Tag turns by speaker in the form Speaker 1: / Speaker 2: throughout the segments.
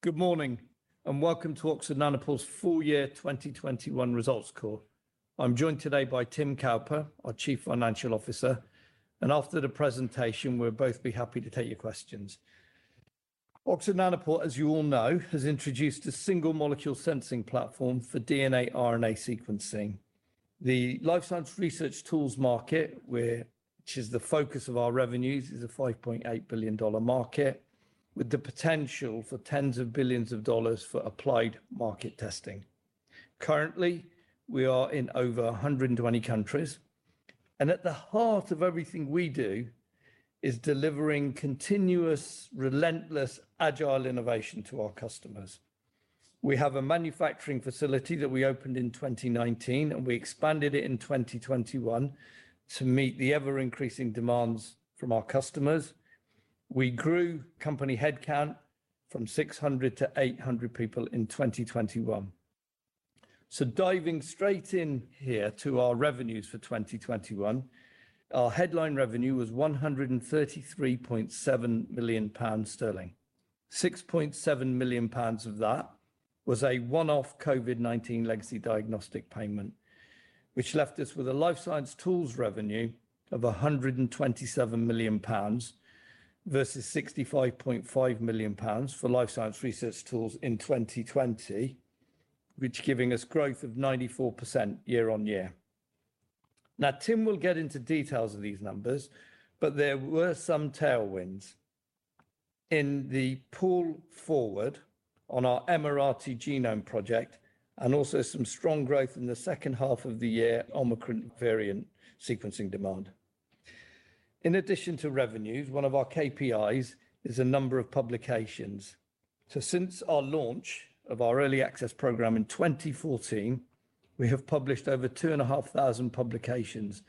Speaker 1: Good morning, and welcome to Oxford Nanopore's full year 2021 results call. I'm joined today by Tim Cowper, our Chief Financial Officer, and after the presentation, we'll both be happy to take your questions. Oxford Nanopore, as you all know, has introduced a single molecule sensing platform for DNA/RNA sequencing. The life science research tools market, which is the focus of our revenues, is a $5.8 billion market, with the potential for tens of billions of dollars for applied market testing. Currently, we are in over 120 countries, and at the heart of everything we do is delivering continuous, relentless, agile innovation to our customers. We have a manufacturing facility that we opened in 2019, and we expanded it in 2021 to meet the ever-increasing demands from our customers. We grew company headcount from 600-800 people in 2021. Diving straight in here to our revenues for 2021. Our headline revenue was 133.7 million sterling. 6.7 million pounds of that was a one-off COVID-19 legacy diagnostic payment, which left us with a life science tools revenue of 127 million pounds versus 65.5 million pounds for life science research tools in 2020, which giving us growth of 94% year-on-year. Now, Tim will get into details of these numbers, but there were some tailwinds. In the pull forward on our Emirati Genome Program and also some strong growth in the second half of the year Omicron variant sequencing demand. In addition to revenues, one of our KPIs is the number of publications. Since our launch of our early access program in 2014, we have published over 2,500 publications,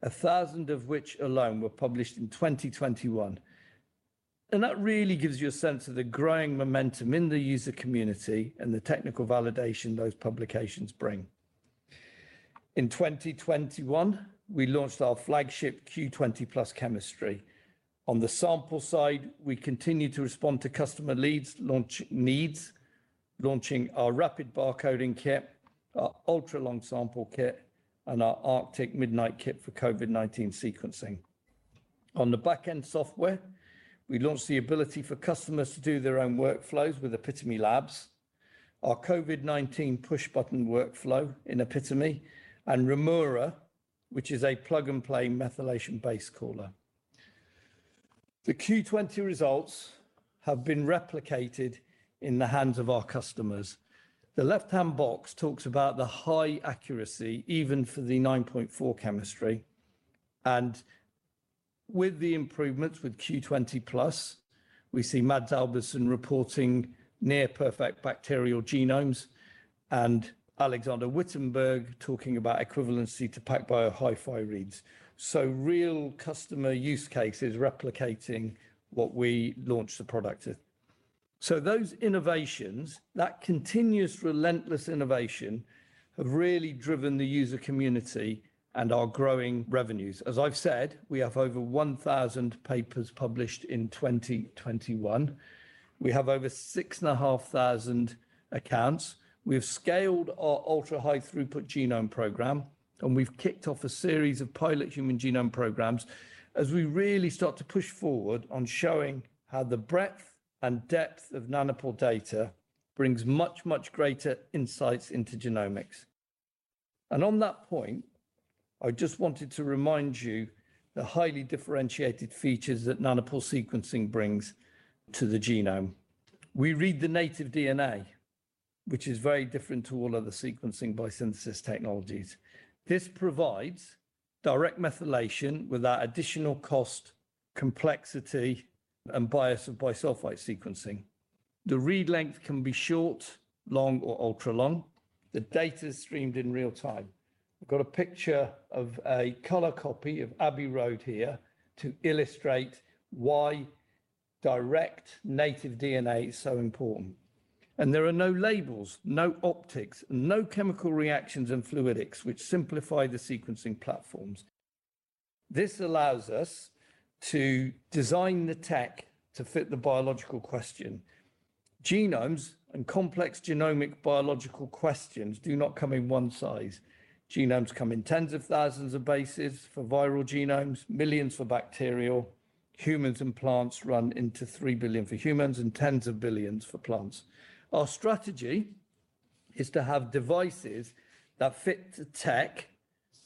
Speaker 1: 1,000 of which alone were published in 2021. That really gives you a sense of the growing momentum in the user community and the technical validation those publications bring. In 2021, we launched our flagship Q20+ chemistry. On the sample side, we continued to respond to customer needs, launching our Rapid Barcoding Kit, our Ultra-Long DNA Sequencing Kit, and our ARTIC Midnight kit for COVID-19 sequencing. On the back-end software, we launched the ability for customers to do their own workflows with EPI2ME Labs, our COVID-19 push-button workflow in EPI2ME, and Remora, which is a plug-and-play methylation base caller. The Q20 results have been replicated in the hands of our customers. The left-hand box talks about the high accuracy, even for the R9.4 chemistry, and with the improvements with Q20+, we see Mads Albertsen reporting near perfect bacterial genomes and Alexander Wittenberg talking about equivalency to PacBio HiFi reads. Real customer use cases replicating what we launched the product with. Those innovations, that continuous, relentless innovation, have really driven the user community and our growing revenues. As I've said, we have over 1,000 papers published in 2021. We have over 6,500 accounts. We have scaled our ultra-high throughput genome program, and we've kicked off a series of pilot human genome programs as we really start to push forward on showing how the breadth and depth of Nanopore data brings much, much greater insights into genomics. On that point, I just wanted to remind you the highly differentiated features that Nanopore sequencing brings to the genome. We read the native DNA, which is very different to all other sequencing by synthesis technologies. This provides direct methylation without additional cost, complexity, and bias of bisulfite sequencing. The read length can be short, long, or ultra-long. The data is streamed in real time. We've got a picture of a color copy of Abbey Road here to illustrate why direct native DNA is so important. There are no labels, no optics, no chemical reactions and fluidics which simplify the sequencing platforms. This allows us to design the tech to fit the biological question. Genomes and complex genomic biological questions do not come in one size. Genomes come in tens of thousands of bases for viral genomes, millions for bacterial. Humans and plants run into 3 billion for humans and tens of billions for plants. Our strategy is to have devices that fit the tech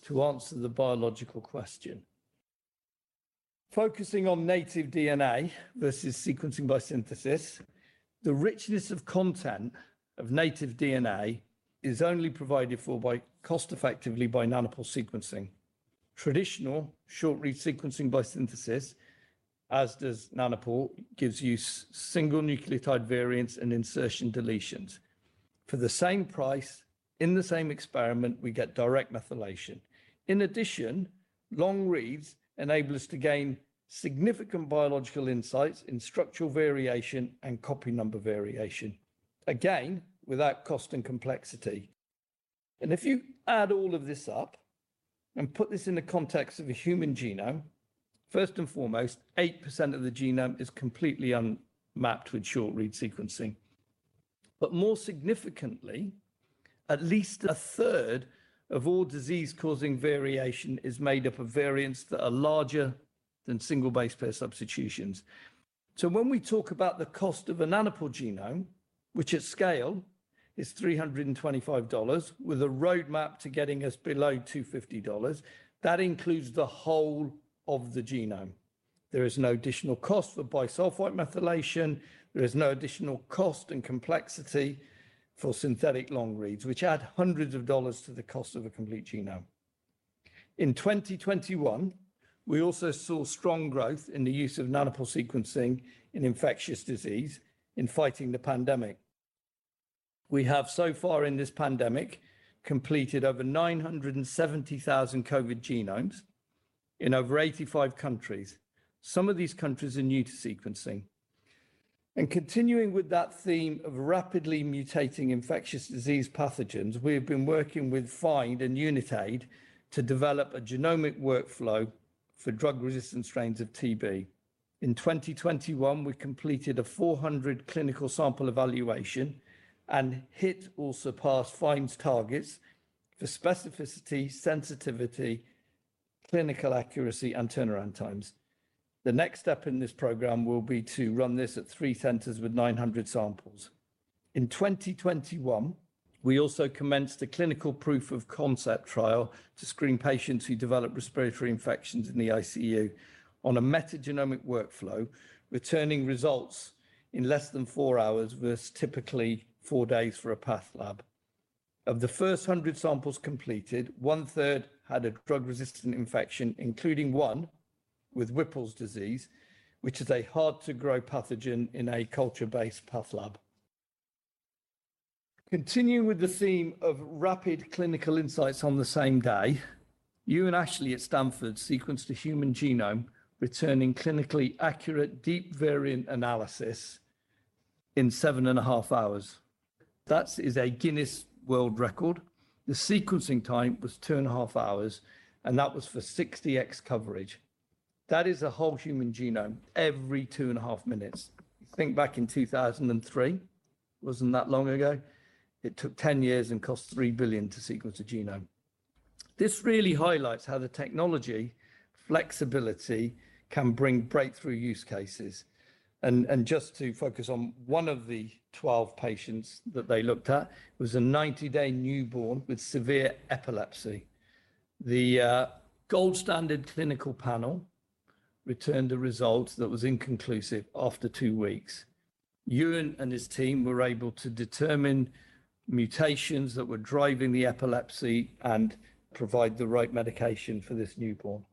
Speaker 1: to answer the biological question. Focusing on native DNA versus sequencing by synthesis, the richness of content of native DNA is only provided for by cost effectively by nanopore sequencing. Traditional short-read sequencing by synthesis, as does nanopore, gives you single nucleotide variants and insertion deletions. For the same price in the same experiment, we get direct methylation. In addition, long reads enable us to gain significant biological insights in structural variation and copy number variation, again, without cost and complexity. If you add all of this up and put this in the context of a human genome, first and foremost, 8% of the genome is completely unmapped with short-read sequencing. More significantly, at least a third of all disease-causing variation is made up of variants that are larger than single base pair substitutions. When we talk about the cost of a Nanopore genome, which at scale is $325 with a roadmap to getting us below $250, that includes the whole of the genome. There is no additional cost for bisulfite methylation. There is no additional cost and complexity for synthetic long reads, which add hundreds of dollars to the cost of a complete genome. In 2021, we also saw strong growth in the use of Nanopore sequencing in infectious disease in fighting the pandemic. We have so far in this pandemic completed over 970,000 COVID genomes in over 85 countries. Some of these countries are new to sequencing. Continuing with that theme of rapidly mutating infectious disease pathogens, we have been working with FIND and Unitaid to develop a genomic workflow for drug-resistant strains of TB. In 2021, we completed a 400 clinical sample evaluation and hit or surpassed FIND's targets for specificity, sensitivity, clinical accuracy, and turnaround times. The next step in this program will be to run this at 3 centers with 900 samples. In 2021, we also commenced a clinical proof of concept trial to screen patients who develop respiratory infections in the ICU on a metagenomic workflow, returning results in less than 4 hours versus typically 4 days for a path lab. Of the first 100 samples completed, one-third had a drug-resistant infection, including one with Whipple's disease, which is a hard-to-grow pathogen in a culture-based path lab. Continuing with the theme of rapid clinical insights on the same day, you and Euan Ashley at Stanford sequenced a human genome returning clinically accurate DeepVariant analysis in 7.5 hours. That is a Guinness World Record. The sequencing time was 2.5 hours, and that was for 60x coverage. That is a whole human genome every 2.5 minutes. Think back in 2003. Wasn't that long ago? It took 10 years and cost $3 billion to sequence a genome. This really highlights how the technology flexibility can bring breakthrough use cases. Just to focus on one of the 12 patients that they looked at, it was a 90-day newborn with severe epilepsy. The gold standard clinical panel returned a result that was inconclusive after 2 weeks. Euan and his team were able to determine mutations that were driving the epilepsy and provide the right medication for this newborn.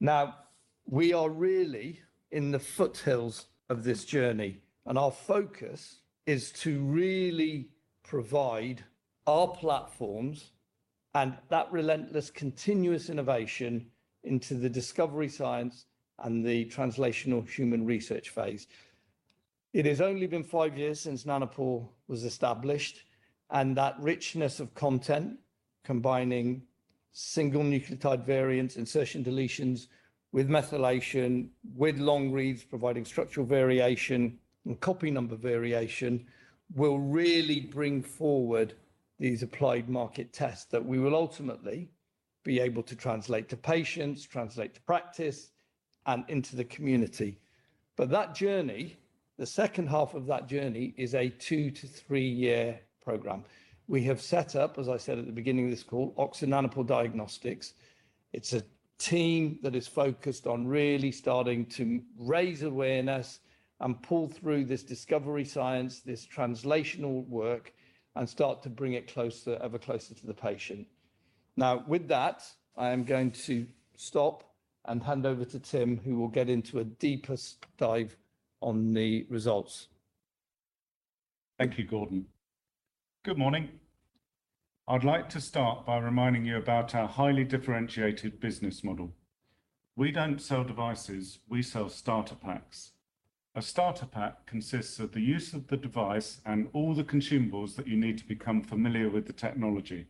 Speaker 1: Now, we are really in the foothills of this journey, and our focus is to really provide our platforms and that relentless continuous innovation into the discovery science and the translational human research phase. It has only been five years since Nanopore was established, and that richness of content combining single nucleotide variants, insertion deletions with methylation, with long reads, providing structural variation and copy number variation, will really bring forward these applied market tests that we will ultimately be able to translate to patients, translate to practice, and into the community. That journey, the second half of that journey, is a two-to-three-year program. We have set up, as I said at the beginning of this call, Oxford Nanopore Diagnostics. It's a team that is focused on really starting to raise awareness and pull through this discovery science, this translational work, and start to bring it closer, ever closer to the patient. Now, with that, I am going to stop and hand over to Tim, who will get into a deeper dive on the results.
Speaker 2: Thank you, Gordon. Good morning. I'd like to start by reminding you about our highly differentiated business model. We don't sell devices. We sell starter packs. A starter pack consists of the use of the device and all the consumables that you need to become familiar with the technology.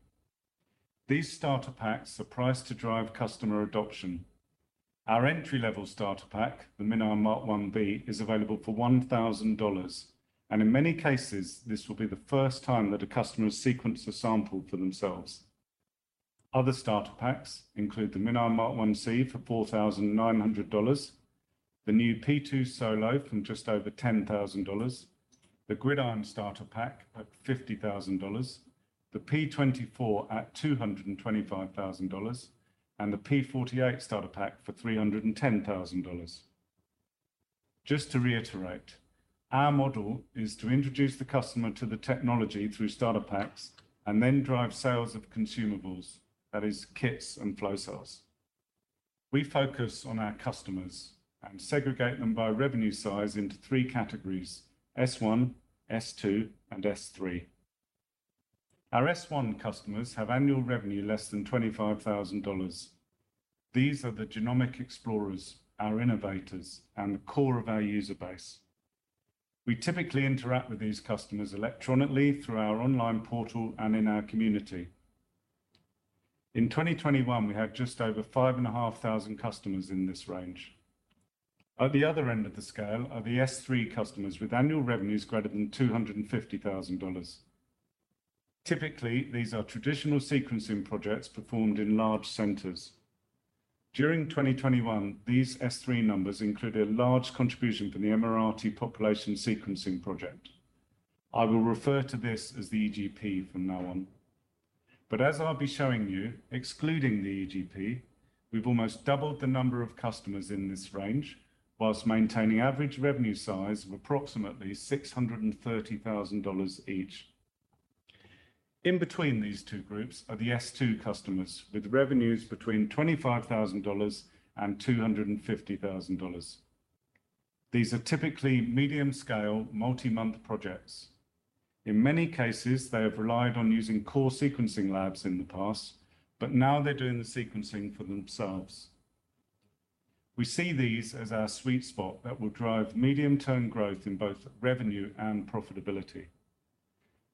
Speaker 2: These starter packs are priced to drive customer adoption. Our entry-level starter pack, the MinION Mk1B, is available for $1,000, and in many cases, this will be the first time that a customer has sequenced a sample for themselves. Other starter packs include the MinION Mk1C for $4,900, the new P2 Solo from just over $10,000, the GridION starter pack at $50,000, the PromethION 24 at $225,000, and the PromethION 48 starter pack for $310,000. Just to reiterate, our model is to introduce the customer to the technology through starter packs and then drive sales of consumables, that is kits and flow cells. We focus on our customers and segregate them by revenue size into three categories: S1, S2, and S3. Our S1 customers have annual revenue less than $25,000. These are the genomic explorers, our innovators, and the core of our user base. We typically interact with these customers electronically through our online portal and in our community. In 2021, we had just over 5,500 customers in this range. At the other end of the scale are the S3 customers with annual revenues greater than $250,000. Typically, these are traditional sequencing projects performed in large centers. During 2021, these S3 numbers include a large contribution from the Emirati Genome Program. I will refer to this as the EGP from now on. As I'll be showing you, excluding the EGP, we've almost doubled the number of customers in this range while maintaining average revenue size of approximately $630,000 each. In between these two groups are the S2 customers with revenues between $25,000 and $250,000. These are typically medium scale, multi-month projects. In many cases, they have relied on using core sequencing labs in the past, but now they're doing the sequencing for themselves. We see these as our sweet spot that will drive medium-term growth in both revenue and profitability.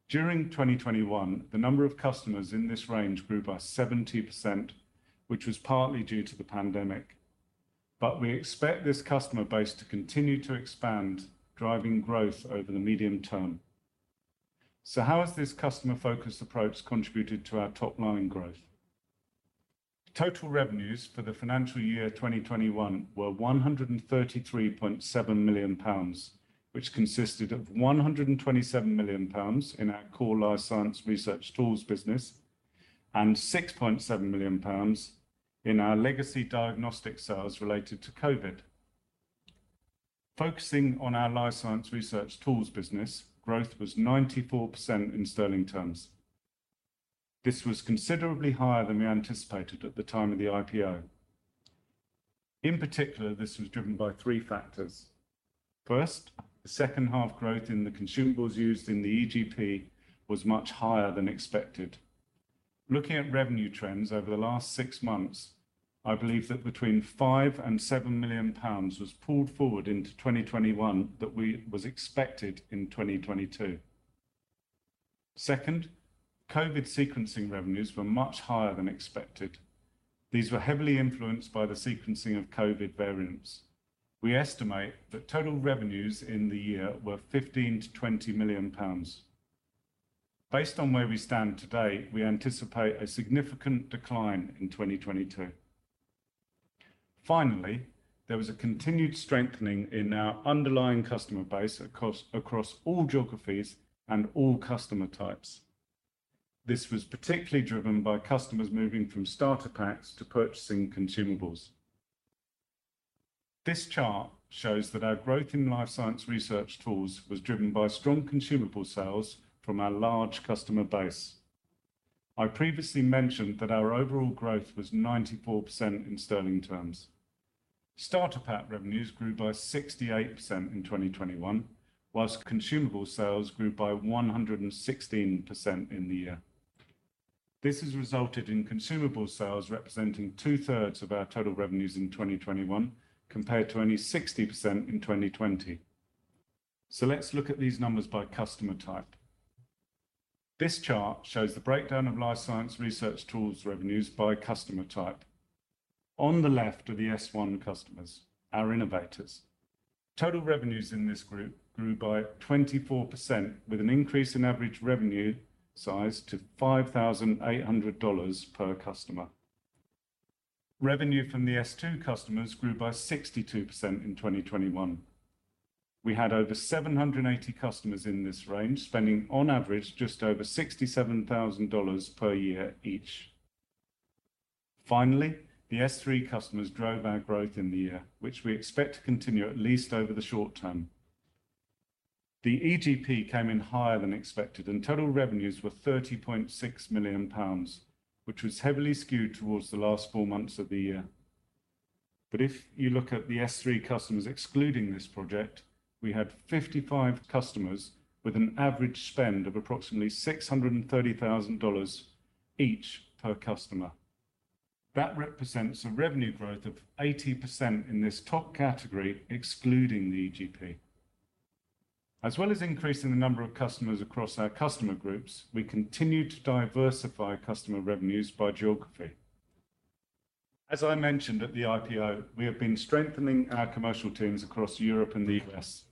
Speaker 2: During 2021, the number of customers in this range grew by 70%, which was partly due to the pandemic. We expect this customer base to continue to expand, driving growth over the medium term. How has this customer-focused approach contributed to our top-line growth? Total revenues for the financial year 2021 were 133.7 million pounds, which consisted of 127 million pounds in our core life science research tools business and 6.7 million pounds in our legacy diagnostic sales related to COVID. Focusing on our life science research tools business, growth was 94% in sterling terms. This was considerably higher than we anticipated at the time of the IPO. In particular, this was driven by three factors. First, the second half growth in the consumables used in the EGP was much higher than expected. Looking at revenue trends over the last six months, I believe that between 5 million and 7 million pounds was pulled forward into 2021 that was expected in 2022. Second, COVID sequencing revenues were much higher than expected. These were heavily influenced by the sequencing of COVID variants. We estimate that total revenues in the year were 15 million-20 million pounds. Based on where we stand today, we anticipate a significant decline in 2022. Finally, there was a continued strengthening in our underlying customer base across all geographies and all customer types. This was particularly driven by customers moving from starter packs to purchasing consumables. This chart shows that our growth in life science research tools was driven by strong consumable sales from our large customer base. I previously mentioned that our overall growth was 94% in sterling terms. Starter pack revenues grew by 68% in 2021, while consumable sales grew by 116% in the year. This has resulted in consumable sales representing two-thirds of our total revenues in 2021, compared to only 60% in 2020. Let's look at these numbers by customer type. This chart shows the breakdown of life science research tools revenues by customer type. On the left are the S1 customers, our innovators. Total revenues in this group grew by 24% with an increase in average revenue size to $5,800 per customer. Revenue from the S2 customers grew by 62% in 2021. We had over 780 customers in this range, spending on average just over $67,000 per year each. Finally, the S3 customers drove our growth in the year, which we expect to continue at least over the short term. The EGP came in higher than expected, and total revenues were 30.6 million pounds, which was heavily skewed towards the last four months of the year. If you look at the S3 customers excluding this project, we had 55 customers with an average spend of approximately $630,000 each per customer. That represents a revenue growth of 80% in this top category, excluding the EGP. As well as increasing the number of customers across our customer groups, we continued to diversify customer revenues by geography. As I mentioned at the IPO, we have been strengthening our commercial teams across Europe and the U.S.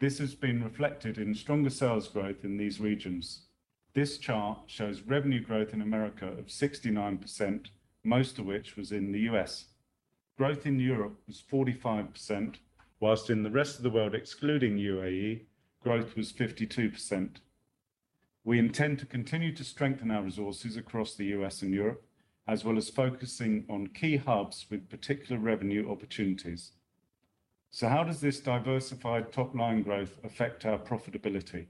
Speaker 2: This has been reflected in stronger sales growth in these regions. This chart shows revenue growth in America of 69%, most of which was in the U.S. Growth in Europe was 45%, while in the rest of the world excluding UAE, growth was 52%. We intend to continue to strengthen our resources across the U.S. and Europe, as well as focusing on key hubs with particular revenue opportunities. How does this diversified top-line growth affect our profitability?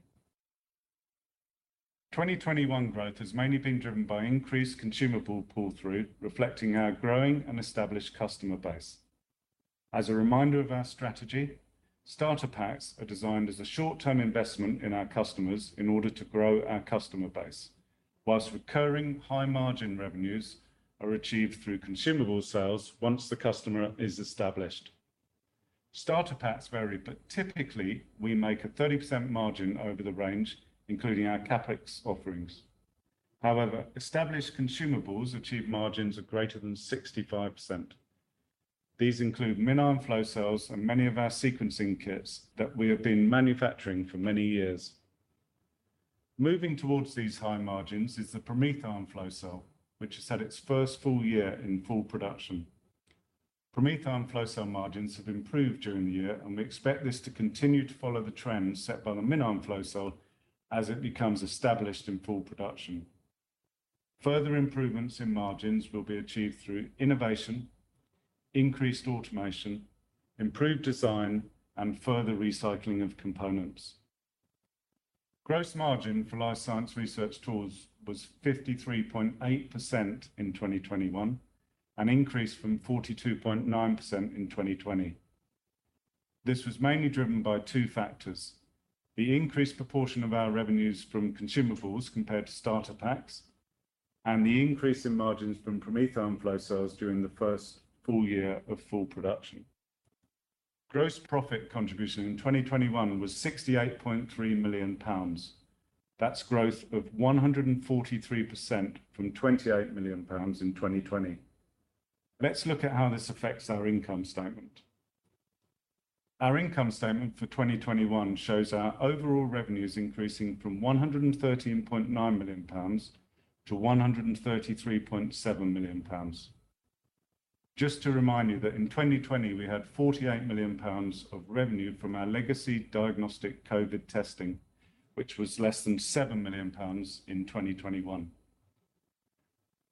Speaker 2: 2021 growth has mainly been driven by increased consumable pull-through, reflecting our growing and established customer base. As a reminder of our strategy, starter packs are designed as a short-term investment in our customers in order to grow our customer base. While recurring high margin revenues are achieved through consumable sales once the customer is established. Starter packs vary, but typically we make a 30% margin over the range, including our CapEx offerings. However, established consumables achieve margins of greater than 65%. These include MinION flow cells and many of our sequencing kits that we have been manufacturing for many years. Moving towards these high margins is the PromethION flow cell, which has had its first full year in full production. PromethION flow cell margins have improved during the year, and we expect this to continue to follow the trends set by the MinION flow cell as it becomes established in full production. Further improvements in margins will be achieved through innovation, increased automation, improved design, and further recycling of components. Gross margin for life science research tools was 53.8% in 2021, an increase from 42.9% in 2020. This was mainly driven by two factors, the increased proportion of our revenues from consumables compared to starter packs, and the increase in margins from PromethION Flow Cells during the first full year of full production. Gross profit contribution in 2021 was 68.3 million pounds. That's growth of 143% from 28 million pounds in 2020. Let's look at how this affects our income statement. Our income statement for 2021 shows our overall revenues increasing from 113.9 million pounds to 133.7 million pounds. Just to remind you that in 2020 we had 48 million pounds of revenue from our legacy diagnostic COVID testing, which was less than 7 million pounds in 2021.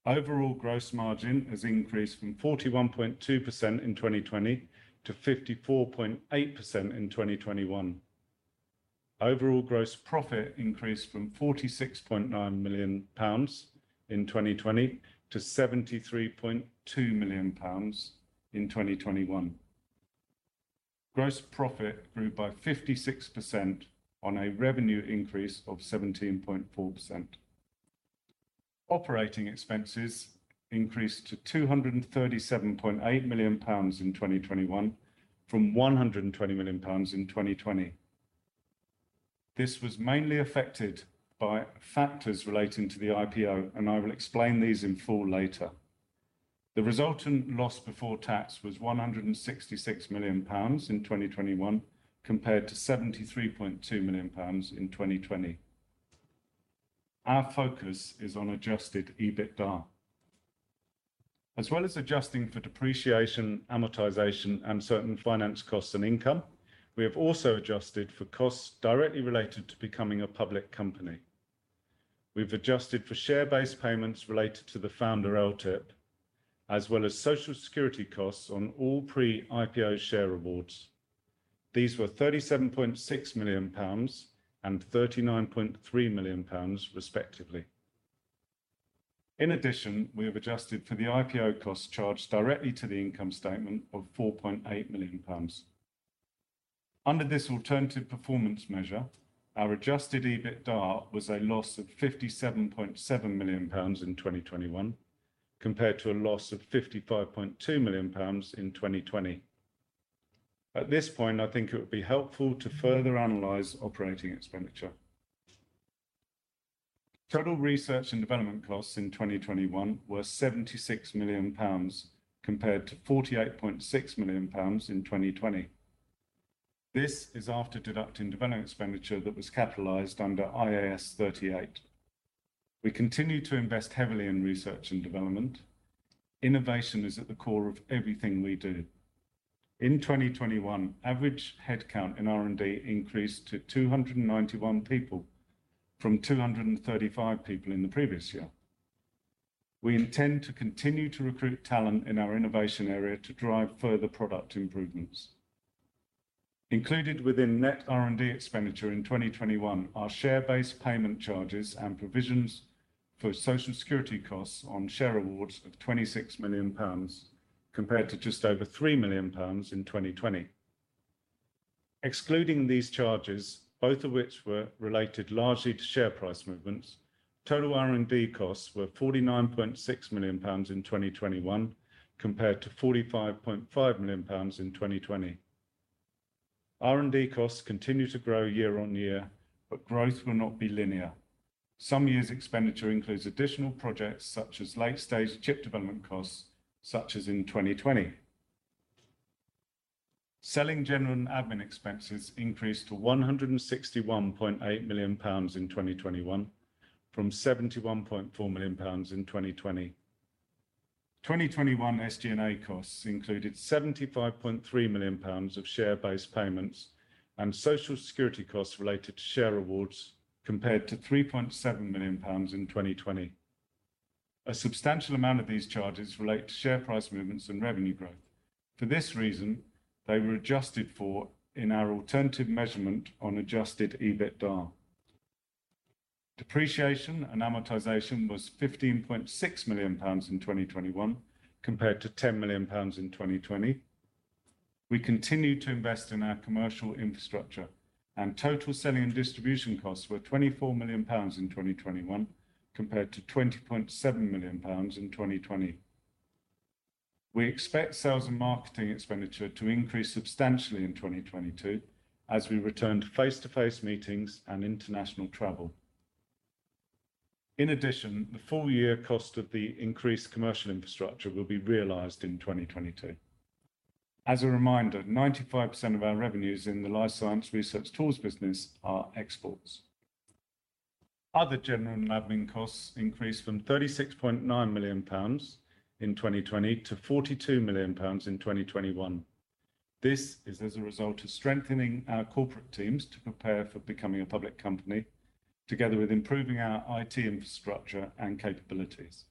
Speaker 2: Overall gross margin has increased from 41.2% in 2020 to 54.8% in 2021. Overall gross profit increased from 46.9 million pounds in 2020 to 73.2 million pounds in 2021. Gross profit grew by 56% on a revenue increase of 17.4%. Operating expenses increased to 237.8 million pounds in 2021 from 120 million pounds in 2020. This was mainly affected by factors relating to the IPO, and I will explain these in full later. The resultant loss before tax was 166 million pounds in 2021 compared to 73.2 million pounds in 2020. Our focus is on Adjusted EBITDA. As well as adjusting for depreciation, amortization, and certain finance costs and income, we have also adjusted for costs directly related to becoming a public company. We've adjusted for share-based payments related to the founder LTIP, as well as Social Security costs on all pre-IPO share awards. These were 37.6 million pounds and 39.3 million pounds respectively. In addition, we have adjusted for the IPO costs charged directly to the income statement of 4.8 million pounds. Under this alternative performance measure, our Adjusted EBITDA was a loss of 57.7 million pounds in 2021 compared to a loss of 55.2 million pounds in 2020. At this point, I think it would be helpful to further analyze operating expenditure. Total research and development costs in 2021 were 76 million pounds compared to 48.6 million pounds in 2020. This is after deducting development expenditure that was capitalized under IAS 38. We continue to invest heavily in research and development. Innovation is at the core of everything we do. In 2021, average head count in R&D increased to 291 people from 235 people in the previous year. We intend to continue to recruit talent in our innovation area to drive further product improvements. Included within net R&D expenditure in 2021 are share-based payment charges and provisions for Social Security costs on share awards of 26 million pounds compared to just over 3 million pounds in 2020. Excluding these charges, both of which were related largely to share price movements, total R&D costs were 49.6 million pounds in 2021 compared to 45.5 million pounds in 2020. R&D costs continue to grow year on year, but growth will not be linear. Some years' expenditure includes additional projects such as late-stage chip development costs, such as in 2020. Selling, general, and admin expenses increased to 161.8 million pounds in 2021 from 71.4 million pounds in 2020. 2021 SG&A costs included 75.3 million pounds of share-based payments and social security costs related to share awards compared to 3.7 million pounds in 2020. A substantial amount of these charges relate to share price movements and revenue growth. For this reason, they were adjusted for in our alternative measurement on Adjusted EBITDA. Depreciation and amortization was 15.6 million pounds in 2021 compared to 10 million pounds in 2020. We continued to invest in our commercial infrastructure, and total selling and distribution costs were 24 million pounds in 2021 compared to 20.7 million pounds in 2020. We expect sales and marketing expenditure to increase substantially in 2022 as we return to face-to-face meetings and international travel. In addition, the full year cost of the increased commercial infrastructure will be realized in 2022. As a reminder, 95% of our revenues in the life science research tools business are exports. Other general and admin costs increased from 36.9 million pounds in 2020 to 42 million pounds in 2021. This is as a result of strengthening our corporate teams to prepare for becoming a public company, together with improving our IT infrastructure and capabilities.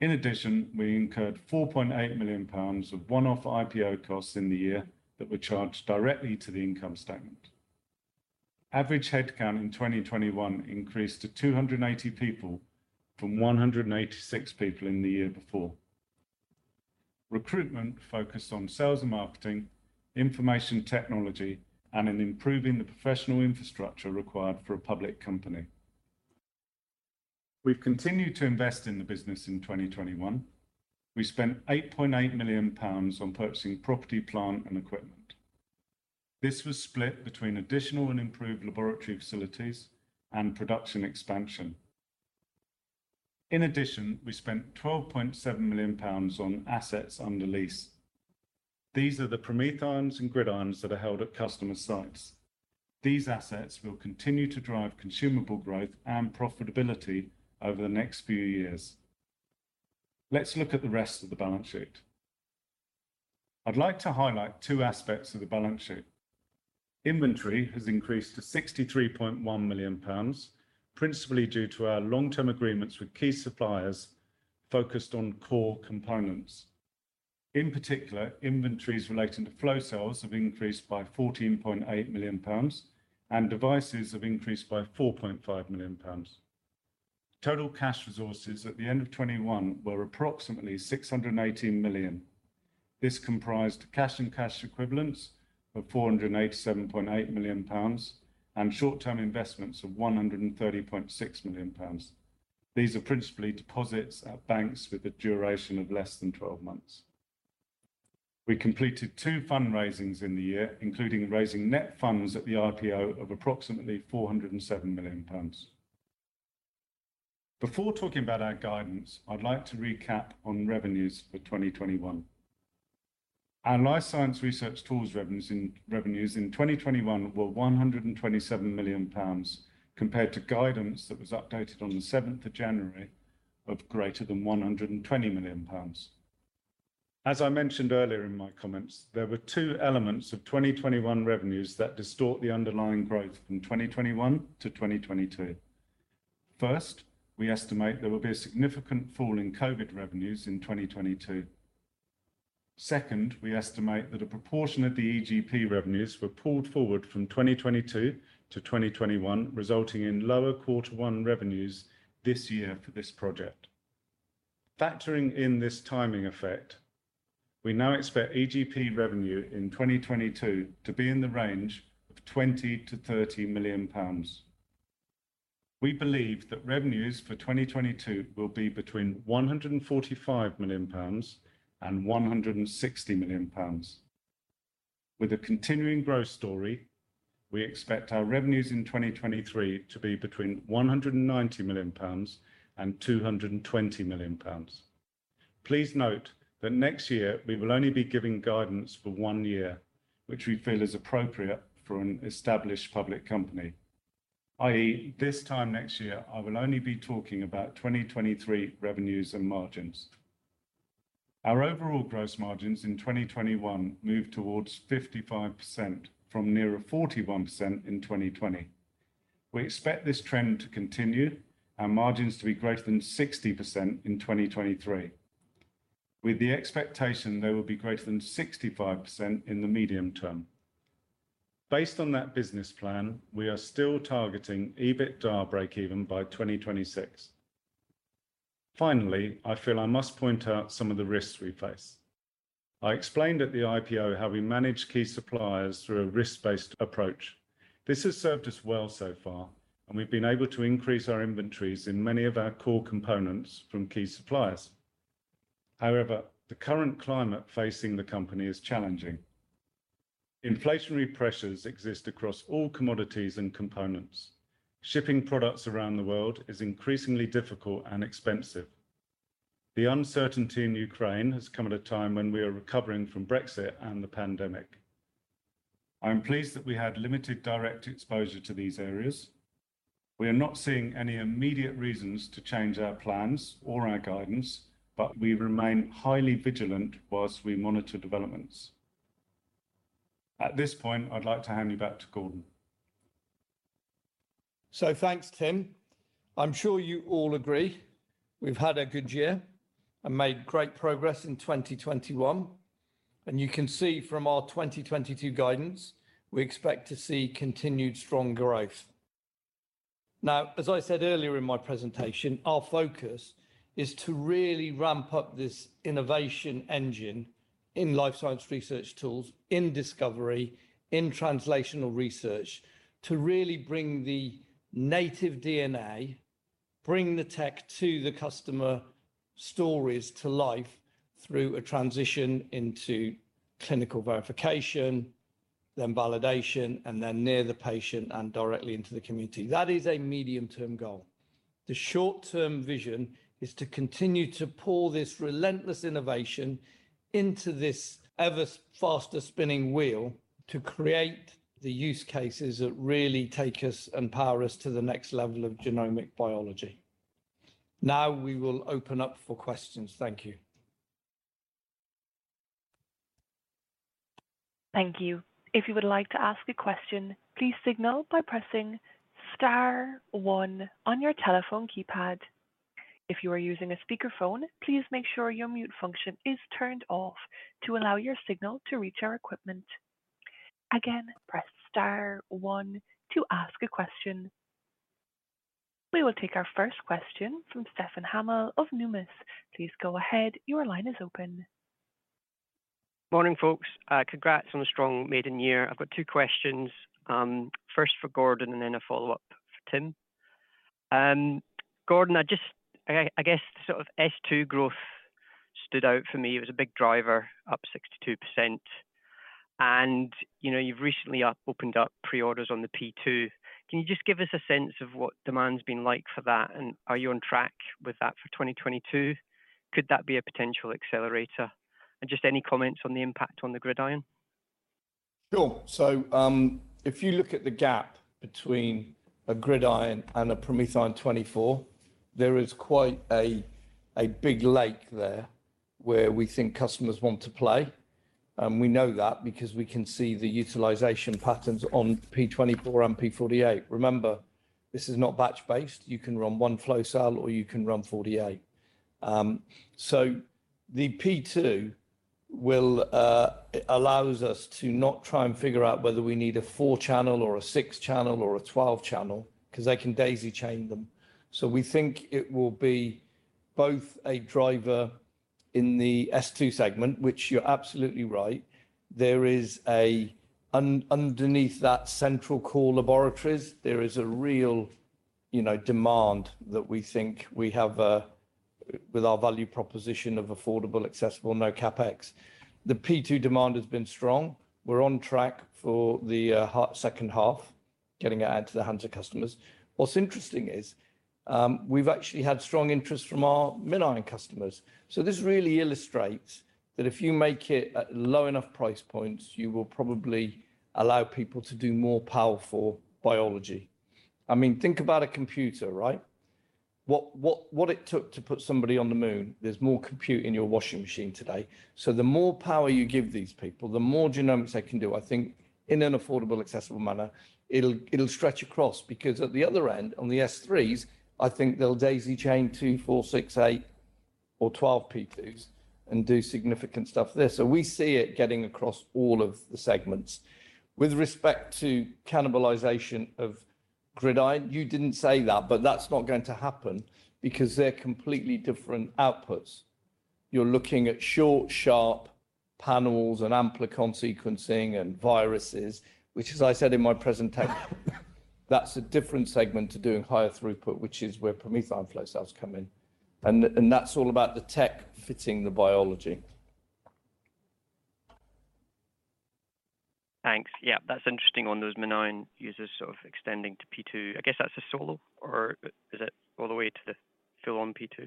Speaker 2: In addition, we incurred 4.8 million pounds of one-off IPO costs in the year that were charged directly to the income statement. Average headcount in 2021 increased to 280 people from 186 people in the year before. Recruitment focused on sales and marketing, information technology, and in improving the professional infrastructure required for a public company. We've continued to invest in the business in 2021. We spent 8.8 million pounds on purchasing property, plant, and equipment. This was split between additional and improved laboratory facilities and production expansion. In addition, we spent 12.7 million pounds on assets under lease. These are the PromethIONs and GridIONs that are held at customer sites. These assets will continue to drive consumable growth and profitability over the next few years. Let's look at the rest of the balance sheet. I'd like to highlight two aspects of the balance sheet. Inventory has increased to 63.1 million pounds, principally due to our long-term agreements with key suppliers focused on core components. In particular, inventories relating to flow cells have increased by 14.8 million pounds, and devices have increased by 4.5 million pounds. Total cash resources at the end of 2021 were approximately 618 million. This comprised cash and cash equivalents of 487.8 million pounds and short-term investments of 130.6 million pounds. These are principally deposits at banks with a duration of less than 12 months. We completed 2 fundraisings in the year, including raising net funds at the IPO of approximately 407 million pounds. Before talking about our guidance, I'd like to recap on revenues for 2021. Our life science research tools revenues in 2021 were 127 million pounds compared to guidance that was updated on the 7th of January of greater than 120 million pounds. As I mentioned earlier in my comments, there were 2 elements of 2021 revenues that distort the underlying growth from 2021 to 2022. First, we estimate there will be a significant fall in COVID revenues in 2022. Second, we estimate that a proportion of the EGP revenues were pulled forward from 2022 to 2021, resulting in lower quarter 1 revenues this year for this project. Factoring in this timing effect, we now expect EGP revenue in 2022 to be in the range of 20 million-30 million pounds. We believe that revenues for 2022 will be between 145 million pounds and 160 million pounds. With a continuing growth story, we expect our revenues in 2023 to be between 190 million pounds and 220 million pounds. Please note that next year we will only be giving guidance for one year, which we feel is appropriate for an established public company, i.e., this time next year I will only be talking about 2023 revenues and margins. Our overall gross margins in 2021 moved towards 55% from nearer 41% in 2020. We expect this trend to continue and margins to be greater than 60% in 2023, with the expectation they will be greater than 65% in the medium term. Based on that business plan, we are still targeting EBITDA breakeven by 2026. Finally, I feel I must point out some of the risks we face. I explained at the IPO how we manage key suppliers through a risk-based approach. This has served us well so far, and we've been able to increase our inventories in many of our core components from key suppliers. However, the current climate facing the company is challenging. Inflationary pressures exist across all commodities and components. Shipping products around the world is increasingly difficult and expensive. The uncertainty in Ukraine has come at a time when we are recovering from Brexit and the pandemic. I am pleased that we had limited direct exposure to these areas. We are not seeing any immediate reasons to change our plans or our guidance, but we remain highly vigilant whilst we monitor developments. At this point, I'd like to hand you back to Gordon.
Speaker 1: Thanks, Tim. I'm sure you all agree we've had a good year and made great progress in 2021, and you can see from our 2022 guidance, we expect to see continued strong growth. Now, as I said earlier in my presentation, our focus is to really ramp up this innovation engine in life science research tools, in discovery, in translational research, to really bring the native DNA, bring the tech to the customer stories to life through a transition into clinical verification, then validation, and then near the patient and directly into the community. That is a medium-term goal. The short-term vision is to continue to pull this relentless innovation into this ever-faster spinning wheel to create the use cases that really take us and power us to the next level of genomic biology. Now we will open up for questions. Thank you.
Speaker 3: Thank you. If you would like to ask a question, please signal by pressing star one on your telephone keypad. If you are using a speakerphone, please make sure your mute function is turned off to allow your signal to reach our equipment. Again, press star one to ask a question. We will take our first question from Stefan Hamill of Numis. Please go ahead. Your line is open.
Speaker 4: Morning, folks. Congrats on a strong maiden year. I've got two questions. First for Gordon, and then a follow-up for Tim. Gordon, I guess sort of H2 growth stood out for me. It was a big driver, up 62%. You know, you've recently opened up pre-orders on the P2. Can you just give us a sense of what demand's been like for that? Are you on track with that for 2022? Could that be a potential accelerator? Just any comments on the impact on the GridION?
Speaker 1: Sure. If you look at the gap between a GridION and a PromethION 24, there is quite a big gap there where we think customers want to play. We know that because we can see the utilization patterns on P-24 and P-48. Remember, this is not batch-based. You can run one flow cell or you can run 48. The P2 will allow us to not try and figure out whether we need a four-channel or a six-channel or a 12-channel because they can daisy-chain them. We think it will be both a driver in the S2 segment, which you're absolutely right. There is a real, you know, demand underneath that central core laboratories that we think we have with our value proposition of affordable, accessible, no CapEx. The P2 demand has been strong. We're on track for the second half, getting it out into the hands of customers. What's interesting is, we've actually had strong interest from our MinION customers. This really illustrates that if you make it at low enough price points, you will probably allow people to do more powerful biology. I mean, think about a computer, right? What it took to put somebody on the moon, there's more compute in your washing machine today. The more power you give these people, the more genomics they can do. I think in an affordable, accessible manner, it'll stretch across because at the other end, on the S/3s, I think they'll daisy-chain 2, 4, 6, 8 or 12 P/2s and do significant stuff there. We see it getting across all of the segments. With respect to cannibalization of GridION, you didn't say that, but that's not going to happen because they're completely different outputs. You're looking at short, sharp panels and amplicon sequencing and viruses, which as I said in my presentation, that's a different segment to doing higher throughput, which is where PromethION flow cells come in. That's all about the tech fitting the biology.
Speaker 4: Thanks. Yeah, that's interesting on those MinION users sort of extending to P2. I guess that's a Solo or is it all the way to the full-on P2?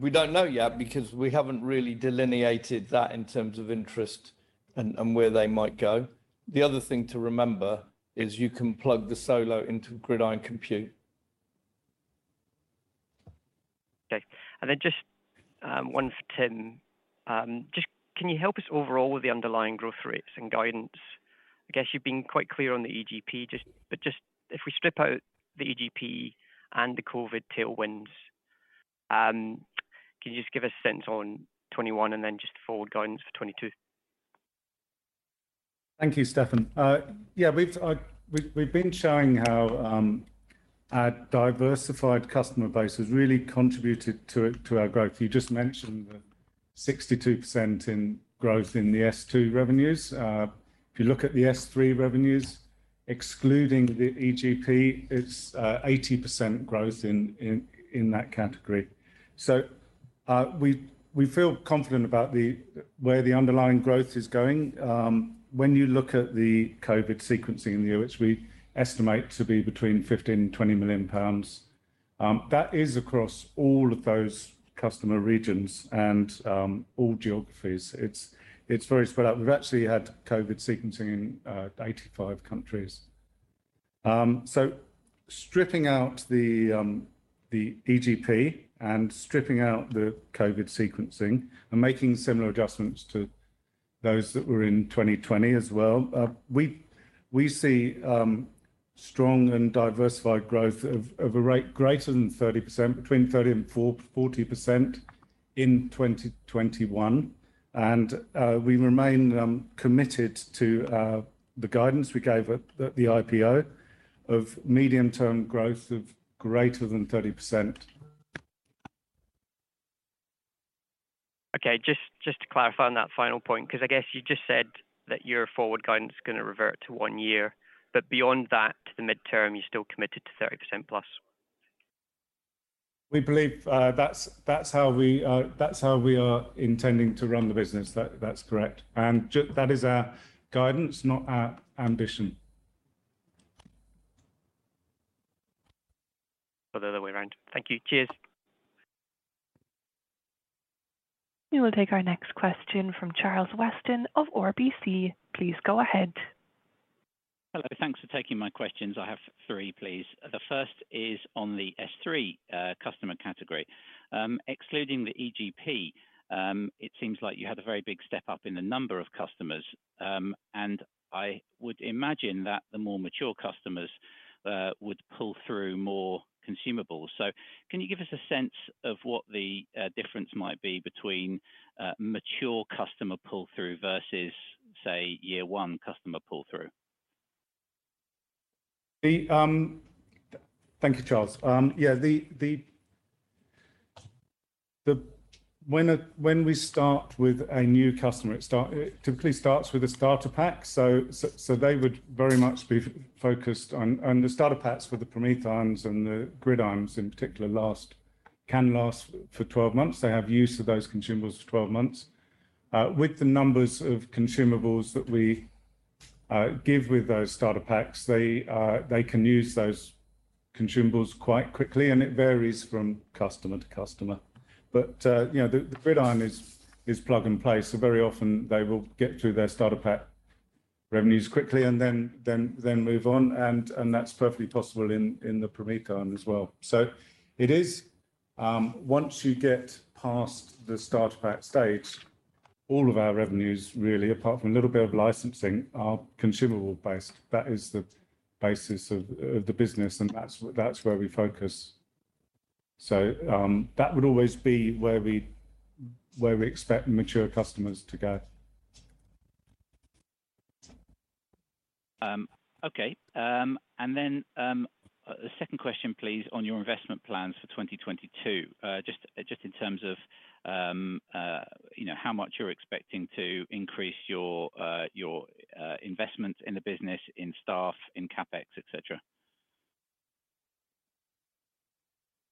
Speaker 1: We don't know yet because we haven't really delineated that in terms of interest and where they might go. The other thing to remember is you can plug the Solo into GridION compute.
Speaker 4: Okay. One for Tim. Just can you help us overall with the underlying growth rates and guidance? I guess you've been quite clear on the EGP, just, but just if we strip out the EGP and the COVID tailwinds, can you just give a sense on 2021 and then just forward guidance for 2022?
Speaker 2: Thank you, Stefan. We've been showing how our diversified customer base has really contributed to our growth. You just mentioned the 62% growth in the S/2 revenues. If you look at the S/3 revenues, excluding the EGP, it's 80% growth in that category. We feel confident about where the underlying growth is going. When you look at the COVID sequencing in the U.S., we estimate to be between 15-20 million pounds. That is across all of those customer regions and all geographies. It's very spread out. We've actually had COVID sequencing in 85 countries. Stripping out the EGP and stripping out the COVID sequencing and making similar adjustments to those that were in 2020 as well, we see strong and diversified growth of a rate greater than 30%, between 30% and 40% in 2021. We remain committed to the guidance we gave at the IPO of medium-term growth of greater than 30%.
Speaker 4: Okay. Just to clarify on that final point, 'cause I guess you just said that your forward guidance is gonna revert to one year, but beyond that to the midterm, you're still committed to 30%+.
Speaker 2: We believe that's how we are intending to run the business. That's correct. That is our guidance, not our ambition.
Speaker 4: Other way around. Thank you. Cheers.
Speaker 3: We will take our next question from Charles Weston of RBC. Please go ahead.
Speaker 5: Hello. Thanks for taking my questions. I have three, please. The first is on the S3 customer category. Excluding the EGP, it seems like you had a very big step up in the number of customers. I would imagine that the more mature customers would pull through more consumables. Can you give us a sense of what the difference might be between a mature customer pull-through versus, say, year one customer pull-through?
Speaker 2: Thank you, Charles. Yeah. When we start with a new customer, it typically starts with a starter pack. They would very much be focused on the starter packs for the PromethIONs and the GridIONs in particular can last for 12 months. They have use of those consumables for 12 months. With the numbers of consumables that we give with those starter packs, they can use those consumables quite quickly, and it varies from customer to customer. You know, the GridION is plug and play, so very often they will get through their starter pack revenues quickly and then move on, and that's perfectly possible in the PromethION as well. It is once you get past the starter pack stage, all of our revenues really, apart from a little bit of licensing, are consumable-based. That is the basis of the business, and that's where we focus. That would always be where we expect mature customers to go.
Speaker 5: Okay. The second question please, on your investment plans for 2022. Just in terms of, you know, how much you're expecting to increase your investments in the business, in staff, in CapEx, et cetera.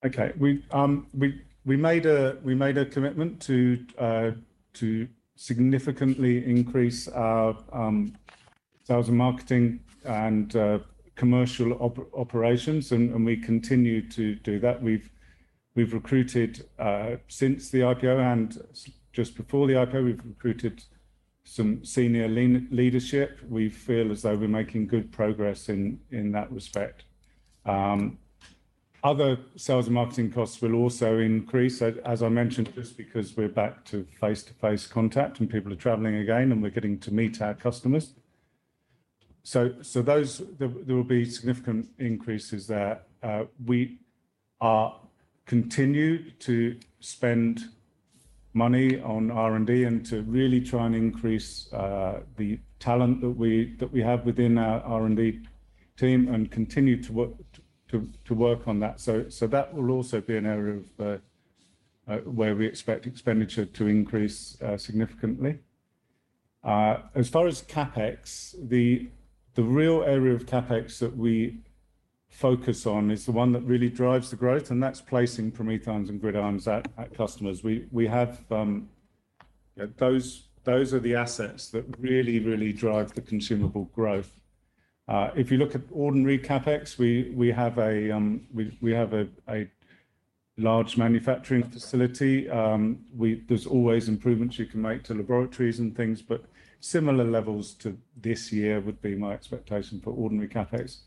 Speaker 2: Okay. We made a commitment to significantly increase our sales and marketing and commercial operations and we continue to do that. We've recruited some senior leadership since the IPO and just before the IPO. We feel as though we're making good progress in that respect. Other sales and marketing costs will also increase as I mentioned just because we're back to face-to-face contact and people are traveling again and we're getting to meet our customers. There will be significant increases there. We continue to spend money on R&D and to really try and increase the talent that we have within our R&D team and continue to work on that. That will also be an area of where we expect expenditure to increase significantly. As far as CapEx, the real area of CapEx that we focus on is the one that really drives the growth, and that's placing PromethIONs and GridIONs at customers. Those are the assets that really drive the consumable growth. If you look at ordinary CapEx, we have a large manufacturing facility. There's always improvements you can make to laboratories and things, but similar levels to this year would be my expectation for ordinary CapEx.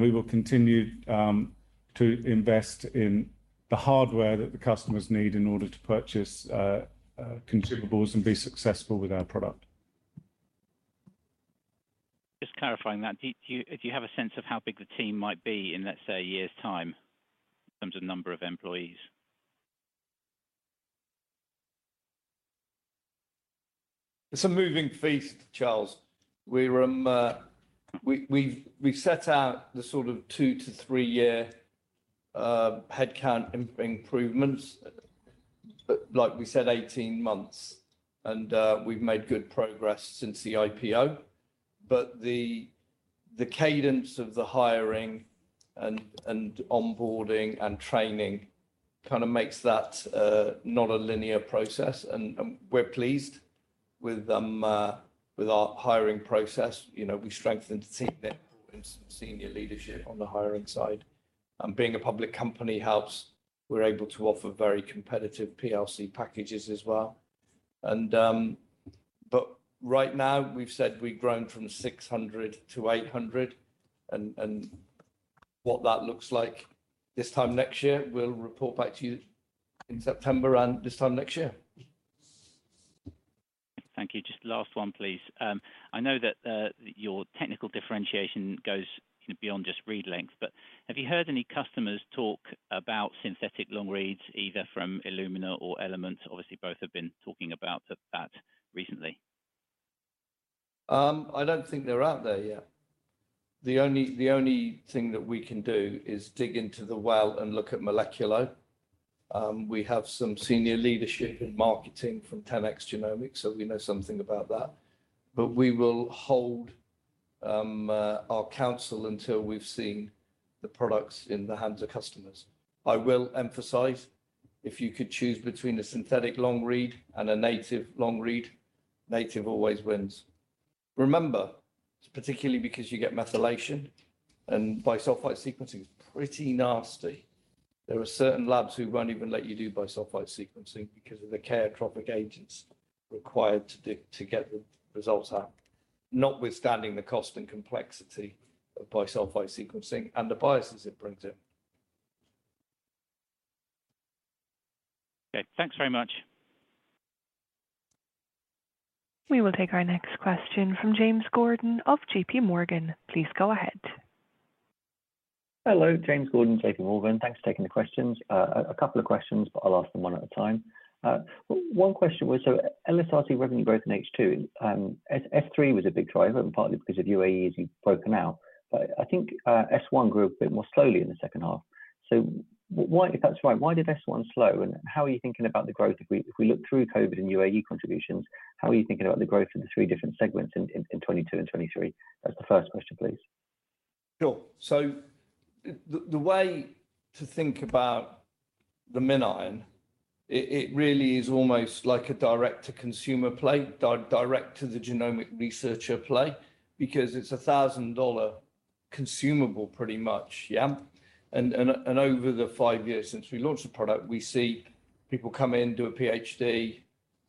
Speaker 2: We will continue to invest in the hardware that the customers need in order to purchase consumables and be successful with our product.
Speaker 5: Just clarifying that. Do you have a sense of how big the team might be in, let's say, a year's time in terms of number of employees?
Speaker 2: It's a moving feast, Charles. We've set out the sort of 2- to 3-year headcount improvements, like we said, 18 months. We've made good progress since the IPO. The cadence of the hiring and onboarding and training kind of makes that not a linear process. We're pleased with our hiring process. You know, we strengthened the team there and some senior leadership on the hiring side. Being a public company helps. We're able to offer very competitive PLC packages as well. Right now we've said we've grown from 600 to 800 and what that looks like this time next year, we'll report back to you in September and this time next year.
Speaker 5: Thank you. Just last one, please. I know that, your technical differentiation goes kind of beyond just read length, but have you heard any customers talk about synthetic long reads, either from Illumina or Element? Obviously, both have been talking about that recently.
Speaker 1: I don't think they're out there yet. The only thing that we can do is dig into the well and look at Moleculo. We have some senior leadership in marketing from 10x Genomics, so we know something about that. We will hold our counsel until we've seen the products in the hands of customers. I will emphasize, if you could choose between a synthetic long read and a native long read, native always wins. Remember, particularly because you get methylation, and bisulfite sequencing is pretty nasty. There are certain labs who won't even let you do bisulfite sequencing because of the carcinogenic agents required to get the results out. Notwithstanding the cost and complexity of bisulfite sequencing and the biases it brings in.
Speaker 5: Okay. Thanks very much.
Speaker 3: We will take our next question from James Gordon of J.P. Morgan. Please go ahead.
Speaker 6: Hello. James Gordon, J.P. Morgan. Thanks for taking the questions. A couple of questions, but I'll ask them one at a time. One question was, so LSRT revenue growth in H2. SF3 was a big driver and partly because of UAE as you've broken out. But I think S1 grew a bit more slowly in the second half. If that's right, why did S1 slow, and how are you thinking about the growth if we look through COVID and UAE contributions, how are you thinking about the growth of the three different segments in 2022 and 2023? That's the first question, please.
Speaker 1: Sure. The way to think about the MinION, it really is almost like a direct-to-consumer play, direct-to-the-genomic-researcher play because it's a $1,000 consumable pretty much, yeah? Over the 5 years since we launched the product, we see people come in, do a PhD,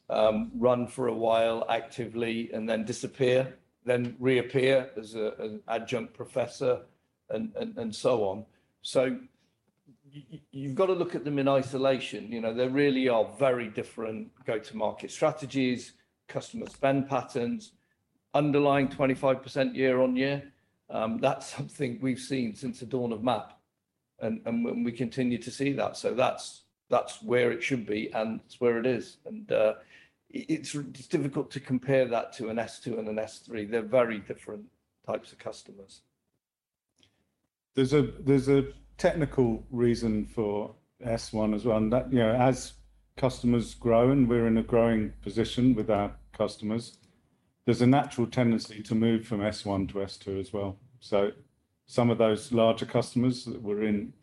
Speaker 1: run for a while actively and then disappear, then reappear as an adjunct professor and so on. You've gotta look at them in isolation. You know, they really are very different go-to-market strategies, customer spend patterns. Underlying 25% year-over-year, that's something we've seen since the dawn of MAP, and when we continue to see that. That's where it should be, and it's where it is. It's difficult to compare that to an S2 and an S3. They're very different types of customers.
Speaker 2: There's a technical reason for S1 as well. That, you know, as customers grow, and we're in a growing position with our customers, there's a natural tendency to move from S1 to S2 as well. Some of those larger customers that were in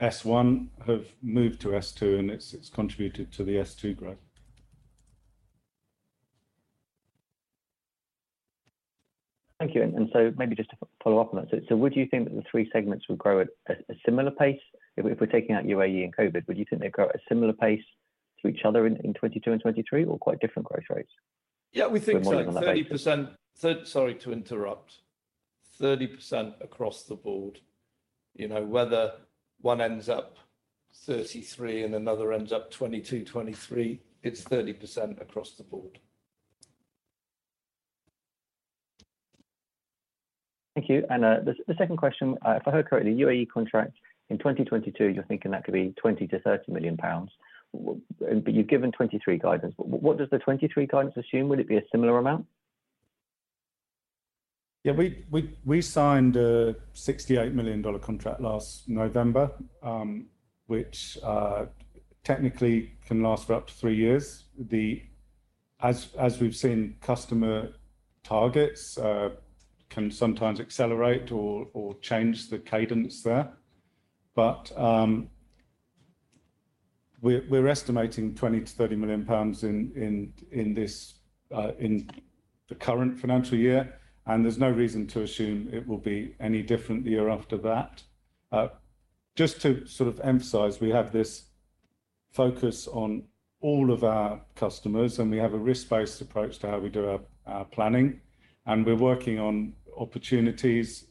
Speaker 2: S1 have moved to S2, and it's contributed to the S2 growth.
Speaker 6: Thank you. Maybe just to follow up on that. Would you think that the three segments would grow at a similar pace? If we're taking out UAE and COVID, would you think they'd grow at a similar pace to each other in 2022 and 2023 or quite different growth rates?
Speaker 1: Yeah. We think like
Speaker 6: More money on that basis.
Speaker 1: 30%. Sorry to interrupt. 30% across the board. You know, whether one ends up 33 and another ends up 22, 23, it's 30% across the board.
Speaker 6: Thank you. The second question, if I heard correctly, UAE contract in 2022, you're thinking that could be 20 million-30 million pounds. But you've given 2023 guidance. What does the 2023 guidance assume? Will it be a similar amount?
Speaker 2: We signed a $68 million contract last November, which technically can last for up to three years. As we've seen, customer targets can sometimes accelerate or change the cadence there. We're estimating 20 million-30 million pounds in the current financial year, and there's no reason to assume it will be any different the year after that. Just to sort of emphasize, we have this focus on all of our customers, and we have a risk-based approach to how we do our planning. We're working on opportunities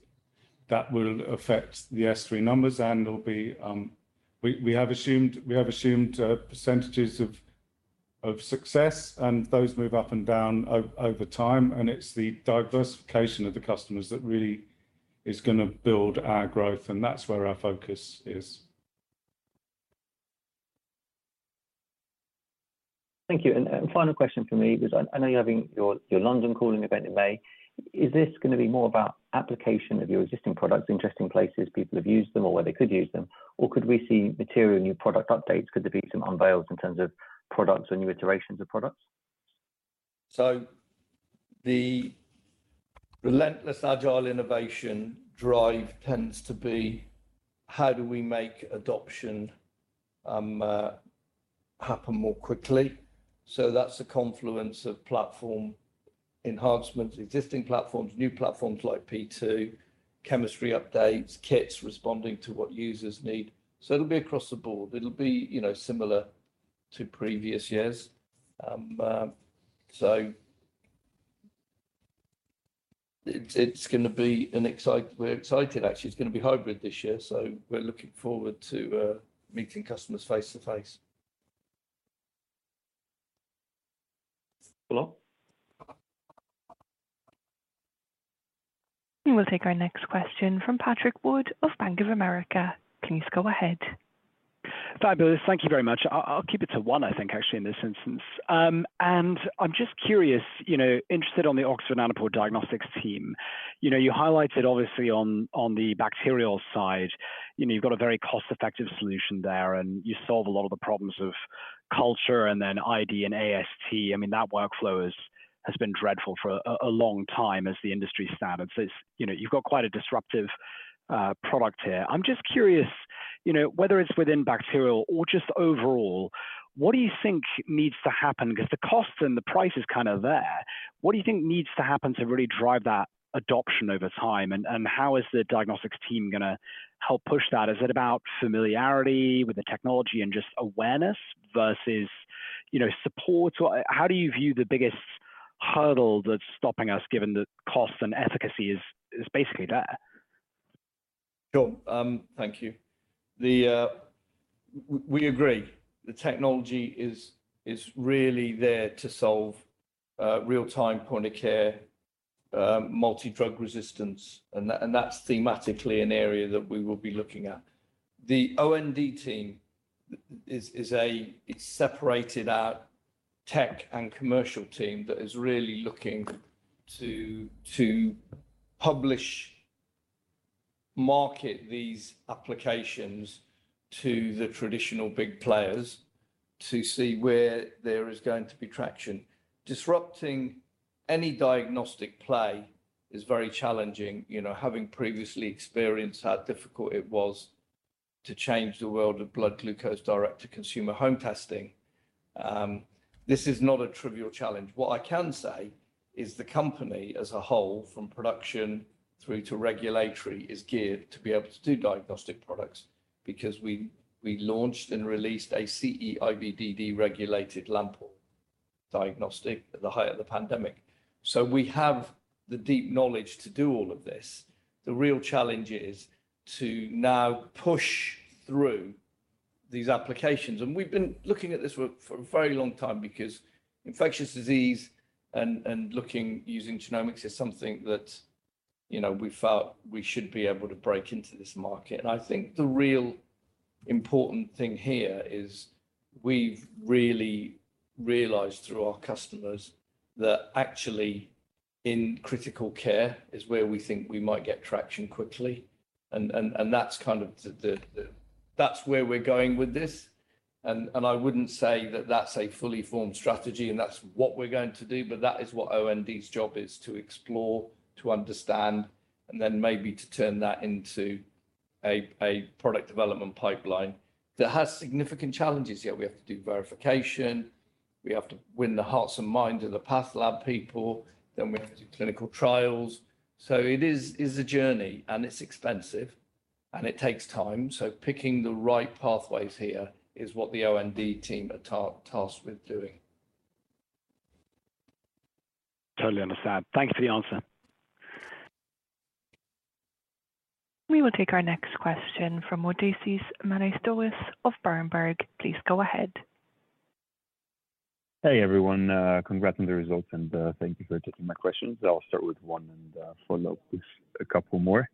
Speaker 2: that will affect the S3 numbers, and there'll be We have assumed percentages of success and those move up and down over time, and it's the diversification of the customers that really is gonna build our growth, and that's where our focus is.
Speaker 6: Thank you. Final question from me because I know you're having your London Calling event in May. Is this gonna be more about application of your existing products, interesting places people have used them or where they could use them? Or could we see material new product updates? Could there be some unveils in terms of products or new iterations of products?
Speaker 1: The relentless agile innovation drive tends to be how do we make adoption happen more quickly. That's a confluence of platform enhancements, existing platforms, new platforms like P2, chemistry updates, kits responding to what users need. It'll be across the board. It'll be, you know, similar to previous years. We're excited actually. It's gonna be hybrid this year, so we're looking forward to meeting customers face to face. Hello?
Speaker 3: We'll take our next question from Patrick Wood of Bank of America. Please go ahead.
Speaker 7: Fabulous. Thank you very much. I'll keep it to one, I think, actually in this instance. And I'm just curious, you know, interested in the Oxford Nanopore Diagnostics team. You know, you highlighted obviously on the bacterial side, you know, you've got a very cost-effective solution there, and you solve a lot of the problems of culture and then ID and AST. I mean, that workflow has been dreadful for a long time as the industry standard. So it's, you know, you've got quite a disruptive product here. I'm just curious, you know, whether it's within bacterial or just overall, what do you think needs to happen? 'Cause the cost and the price is kind of there. What do you think needs to happen to really drive that adoption over time, and how is the Diagnostics team gonna help push that? Is it about familiarity with the technology and just awareness versus, you know, support? Or how do you view the biggest hurdle that's stopping us, given the cost and efficacy is basically there?
Speaker 1: Sure. Thank you. We agree. The technology is really there to solve real-time point of care multi-drug resistance, and that's thematically an area that we will be looking at. The OND team is a separated out tech and commercial team that is really looking to publish, market these applications to the traditional big players to see where there is going to be traction. Disrupting any diagnostic play is very challenging. You know, having previously experienced how difficult it was to change the world of blood glucose direct-to-consumer home testing, this is not a trivial challenge. What I can say is the company as a whole, from production through to regulatory, is geared to be able to do diagnostic products because we launched and released a CE-IVD regulated LamPORE diagnostic at the height of the pandemic. We have the deep knowledge to do all of this. The real challenge is to now push through these applications, and we've been looking at this for a very long time because infectious disease and looking using genomics is something that, you know, we felt we should be able to break into this market. I think the real important thing here is we've really realized through our customers that actually in critical care is where we think we might get traction quickly. That's kind of where we're going with this. I wouldn't say that that's a fully formed strategy and that's what we're going to do, but that is what OND's job is to explore, to understand, and then maybe to turn that into a product development pipeline. That has significant challenges, yeah. We have to do verification. We have to win the hearts and minds of the path lab people. We have to do clinical trials. It is a journey, and it's expensive, and it takes time. Picking the right pathways here is what the OND team are tasked with doing.
Speaker 7: Totally understand. Thank you for the answer.
Speaker 3: We will take our next question from Odysseas Manesiotis of Berenberg. Please go ahead.
Speaker 8: Hey, everyone. Congrats on the results, and thank you for taking my questions. I'll start with one and follow up with a couple more.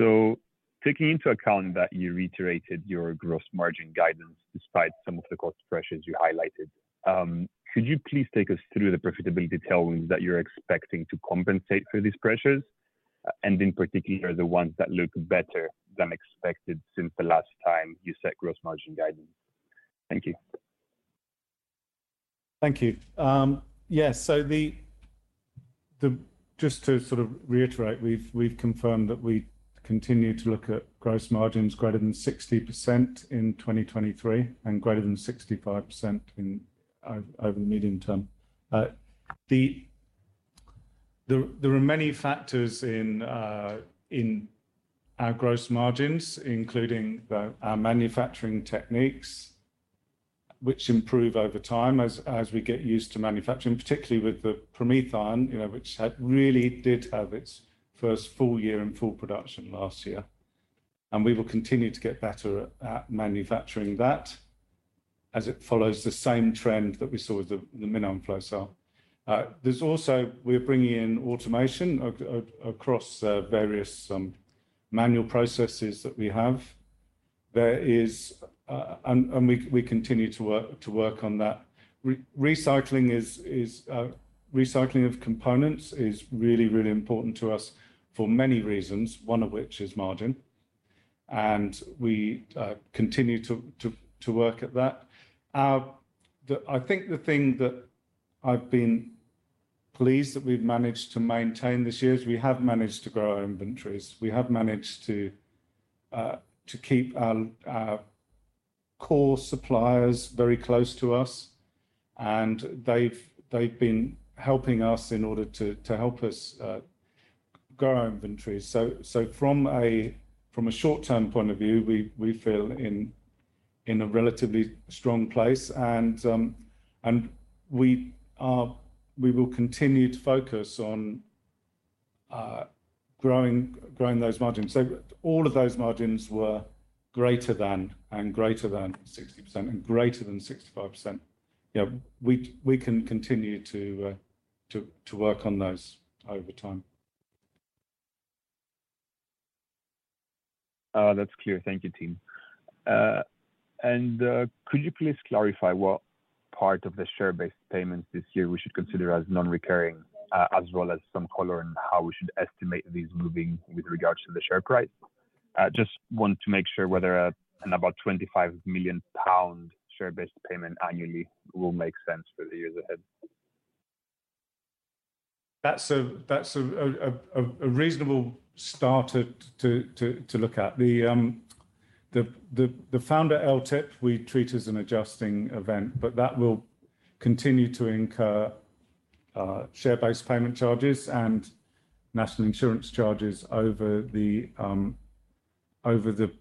Speaker 8: Taking into account that you reiterated your gross margin guidance despite some of the cost pressures you highlighted, could you please take us through the profitability tailwinds that you're expecting to compensate for these pressures, and in particular the ones that look better than expected since the last time you set gross margin guidance? Thank you.
Speaker 1: Thank you. Just to sort of reiterate, we've confirmed that we continue to look at gross margins greater than 60% in 2023 and greater than 65% over the medium term. There are many factors in our gross margins, including our manufacturing techniques, which improve over time as we get used to manufacturing, particularly with the PromethION, you know, which really did have its first full year in full production last year. We will continue to get better at manufacturing that as it follows the same trend that we saw with the MinION Flow Cell. There's also we're bringing in automation across various manual processes that we have. We continue to work on that. Recycling of components is really important to us for many reasons, one of which is margin. We continue to work at that. I think the thing that I've been pleased that we've managed to maintain this year is we have managed to grow our inventories. We have managed to keep our core suppliers very close to us, and they've been helping us in order to help us grow our inventory. From a short-term point of view, we feel in a relatively strong place. We will continue to focus on growing those margins. All of those margins were greater than 60% and greater than 65%. You know, we can continue to work on those over time.
Speaker 8: That's clear. Thank you, team. Could you please clarify what part of the share-based payments this year we should consider as non-recurring, as well as some color on how we should estimate these moving with regards to the share price? I just want to make sure whether and about 25 million pound share-based payment annually will make sense for the years ahead.
Speaker 1: That's a reasonable start to look at. The founder LTIP we treat as an adjusting event, but that will continue to incur share-based payment charges and national insurance charges over the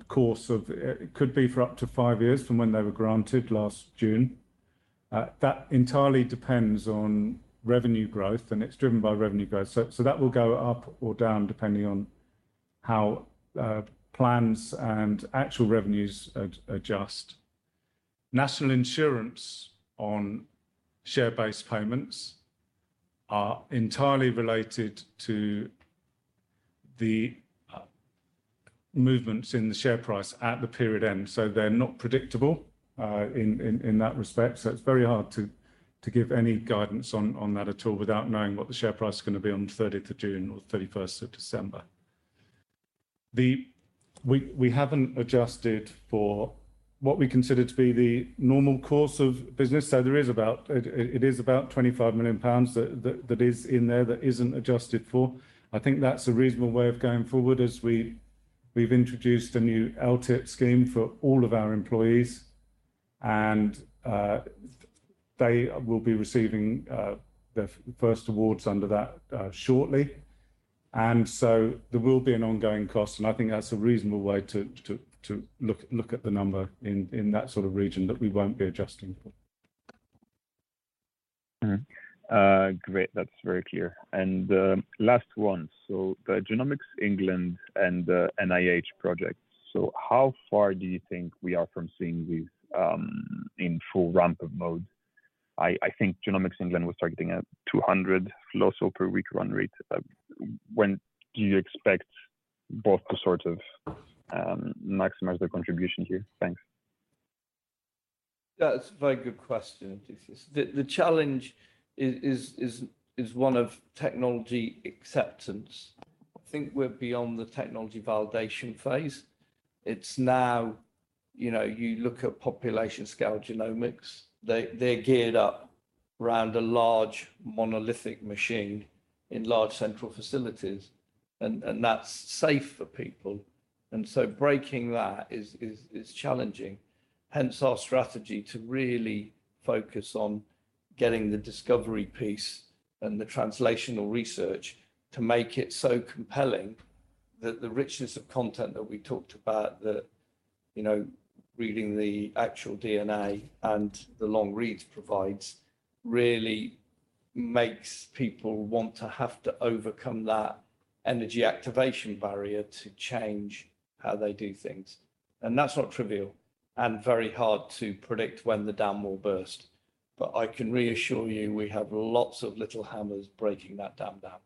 Speaker 1: course of it could be for up to five years from when they were granted last June. That entirely depends on revenue growth, and it's driven by revenue growth. That will go up or down depending on how plans and actual revenues adjust. National insurance on share-based payments are entirely related to the movements in the share price at the period end. They're not predictable in that respect. It's very hard to give any guidance on that at all without knowing what the share price is gonna be on 30th of June or 31st of December. We haven't adjusted for what we consider to be the normal course of business. It is about 25 million pounds that is in there that isn't adjusted for. I think that's a reasonable way of going forward as we've introduced a new LTIP scheme for all of our employees. They will be receiving their first awards under that shortly. There will be an ongoing cost, and I think that's a reasonable way to look at the number in that sort of region that we won't be adjusting for.
Speaker 8: Great. That's very clear. Last one. The Genomics England and the NIH projects. How far do you think we are from seeing these in full ramp-up mode? I think Genomics England was targeting a 200 flow cells per week run rate. When do you expect both to sort of maximize their contribution here? Thanks.
Speaker 1: That's a very good question, Odysseas. The challenge is one of technology acceptance. I think we're beyond the technology validation phase. It's now, you know, you look at population scale genomics, they're geared up around a large monolithic machine in large central facilities, and that's safe for people. Breaking that is challenging. Hence our strategy to really focus on getting the discovery piece and the translational research to make it so compelling that the richness of content that we talked about that, you know, reading the actual DNA and the long reads provides really makes people want to have to overcome that energy activation barrier to change how they do things. That's not trivial and very hard to predict when the dam will burst. I can reassure you, we have lots of little hammers breaking that dam down.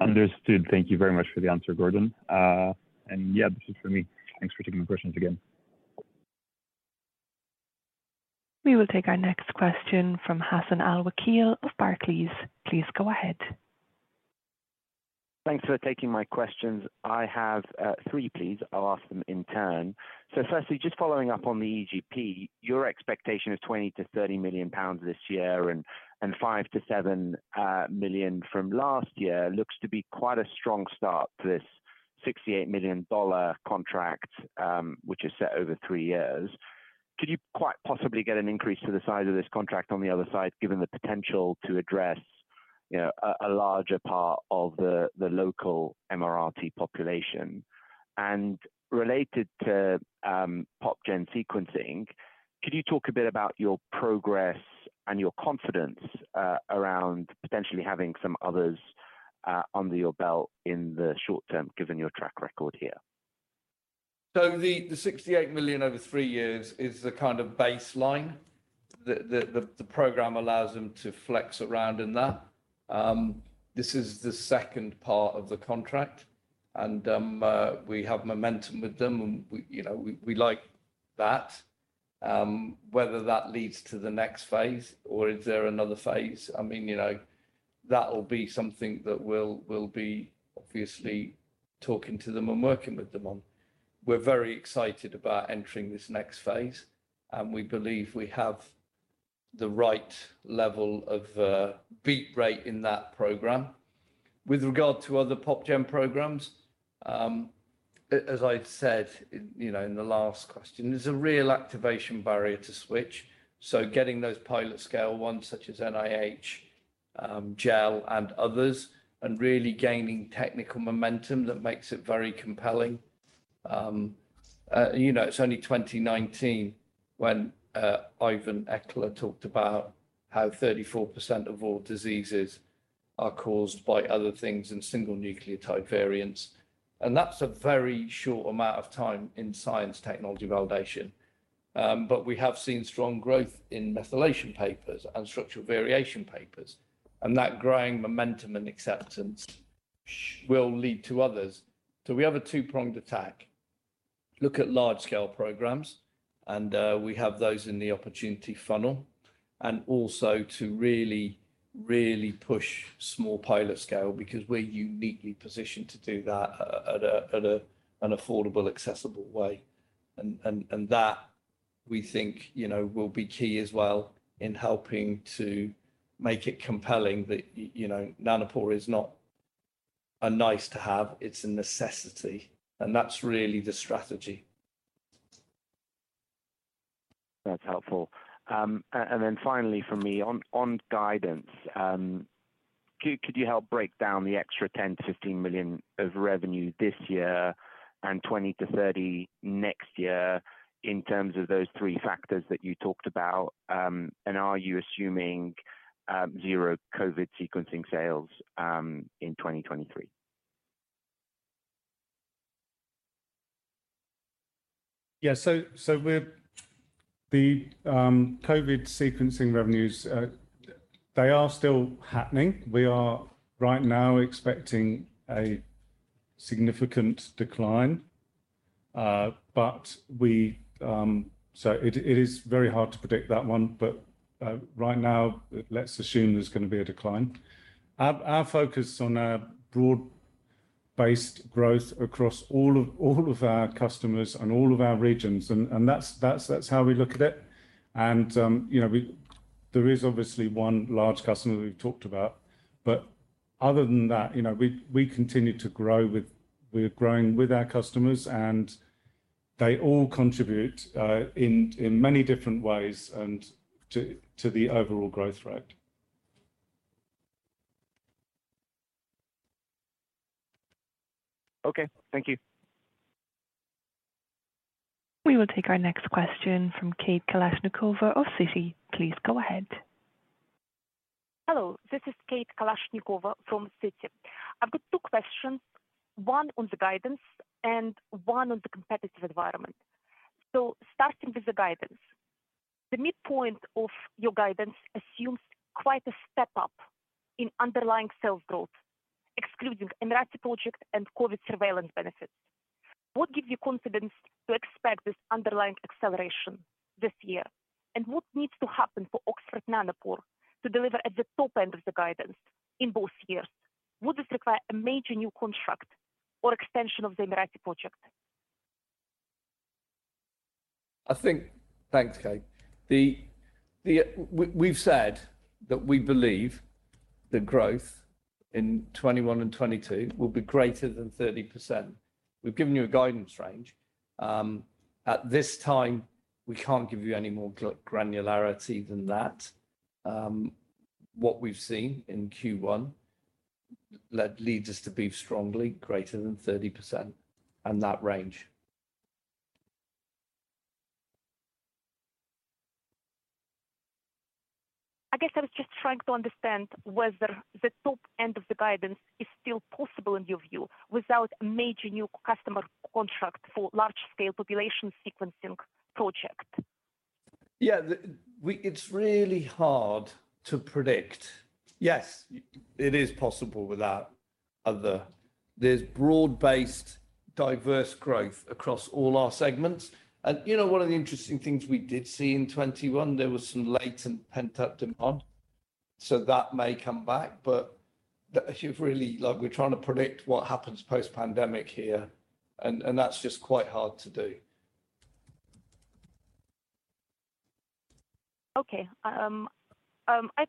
Speaker 8: Understood. Thank you very much for the answer, Gordon. Yeah, this is for me. Thanks for taking my questions again.
Speaker 3: We will take our next question from Hassan Al-Wakeel of Barclays. Please go ahead.
Speaker 9: Thanks for taking my questions. I have three, please. I'll ask them in turn. Firstly, just following up on the EGP, your expectation of 20 million-30 million pounds this year and five to seven million from last year looks to be quite a strong start to this $68 million contract, which is set over three years. Could you quite possibly get an increase to the size of this contract on the other side, given the potential to address, you know, a larger part of the local Emirati population? Related to population genomics sequencing, could you talk a bit about your progress and your confidence around potentially having some others under your belt in the short term, given your track record here?
Speaker 1: The 68 million over three years is the kind of baseline. The program allows them to flex around in that. This is the second part of the contract, and we have momentum with them and we, you know, we like that. Whether that leads to the next phase or is there another phase, I mean, you know, that will be something that we'll be obviously talking to them and working with them on. We're very excited about entering this next phase, and we believe we have the right level of beat rate in that program. With regard to other Pop Gen programs, as I said, you know, in the last question, there's a real activation barrier to switch. Getting those pilot scale ones such as NIH, GEL and others, and really gaining technical momentum that makes it very compelling. You know, it's only 2019 when Evan Eichler talked about how 34% of all diseases are caused by other than single nucleotide variants. That's a very short amount of time in science technology validation. We have seen strong growth in methylation papers and structural variation papers, and that growing momentum and acceptance will lead to others. We have a two-pronged attack. Look at large scale programs, and we have those in the opportunity funnel. Also to really, really push small pilot scale because we're uniquely positioned to do that at an affordable, accessible way. That we think, you know, will be key as well in helping to make it compelling that, you know, Nanopore is not a nice to have. It's a necessity, and that's really the strategy.
Speaker 9: That's helpful. Finally from me on guidance, could you help break down the extra 10 million-15 million of revenue this year and 20 million-30 million next year in terms of those three factors that you talked about? Are you assuming 0 COVID sequencing sales in 2023?
Speaker 1: The COVID sequencing revenues, they are still happening. We are right now expecting a significant decline, but it is very hard to predict that one. Right now, let's assume there's gonna be a decline. Our focus on our broad-based growth across all of our customers and all of our regions, and that's how we look at it. You know, there is obviously one large customer that we've talked about. Other than that, you know, we continue to grow with our customers, and they all contribute in many different ways and to the overall growth rate.
Speaker 9: Okay, thank you.
Speaker 3: We will take our next question from Kate Kalashnikova of Citi. Please go ahead.
Speaker 10: Hello. This is Kate Kalashnikova from Citi. I've got two questions, one on the guidance and one on the competitive environment. Starting with the guidance. The midpoint of your guidance assumes quite a step up in underlying sales growth, excluding Emirati project and COVID surveillance benefits. What gives you confidence to expect this underlying acceleration this year? And what needs to happen for Oxford Nanopore to deliver at the top end of the guidance in both years? Would this require a major new contract or extension of the Emirati project?
Speaker 1: Thanks, Kate. We've said that we believe the growth in 2021 and 2022 will be greater than 30%. We've given you a guidance range. At this time, we can't give you any more granularity than that. What we've seen in Q1 leads us to be strongly greater than 30% and that range.
Speaker 10: I guess I was just trying to understand whether the top end of the guidance is still possible in your view, without a major new customer contract for large scale population sequencing project.
Speaker 1: Yeah. It's really hard to predict. Yes, it is possible without other. There's broad-based, diverse growth across all our segments. You know, one of the interesting things we did see in 2021, there was some latent pent-up demand, so that may come back. If you've really—like, we're trying to predict what happens post-pandemic here, and that's just quite hard to do.
Speaker 10: Okay. I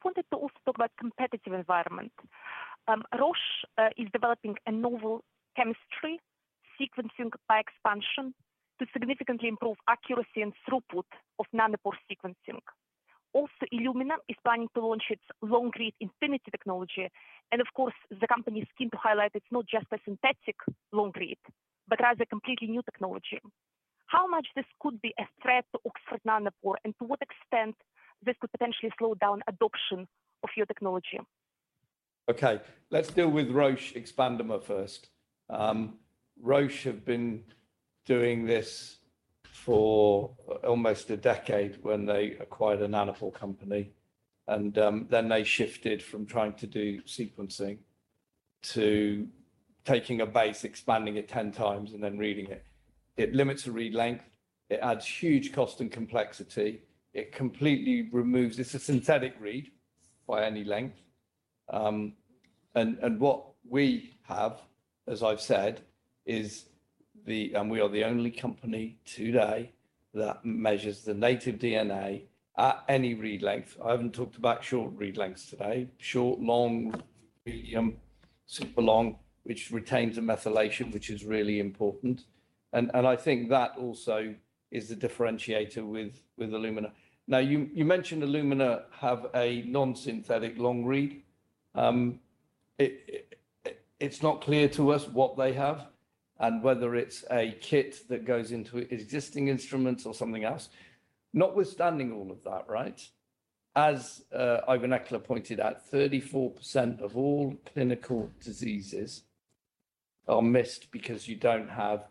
Speaker 10: wanted to also talk about competitive environment. Roche is developing a novel chemistry sequencing by expansion to significantly improve accuracy and throughput of nanopore sequencing. Also, Illumina is planning to launch its long-read Infinity technology, and of course, the company is keen to highlight it's not just a synthetic long read, but rather a completely new technology. How much this could be a threat to Oxford Nanopore, and to what extent this could potentially slow down adoption of your technology?
Speaker 1: Okay. Let's deal with Roche Xpandomer first. Roche have been doing this for almost a decade when they acquired a Nanopore company, and then they shifted from trying to do sequencing to taking a base, expanding it ten times, and then reading it. It limits the read length. It adds huge cost and complexity. It completely removes. It's a synthetic read by any length. What we have, as I've said, is and we are the only company today that measures the native DNA at any read length. I haven't talked about short read lengths today. Short, long, medium, super long, which retains a methylation, which is really important. I think that also is the differentiator with Illumina. Now, you mentioned Illumina have a non-synthetic long read. It's not clear to us what they have and whether it's a kit that goes into existing instruments or something else. Notwithstanding all of that, right? As Euan Ashley pointed out, 34% of all clinical diseases are missed because you don't have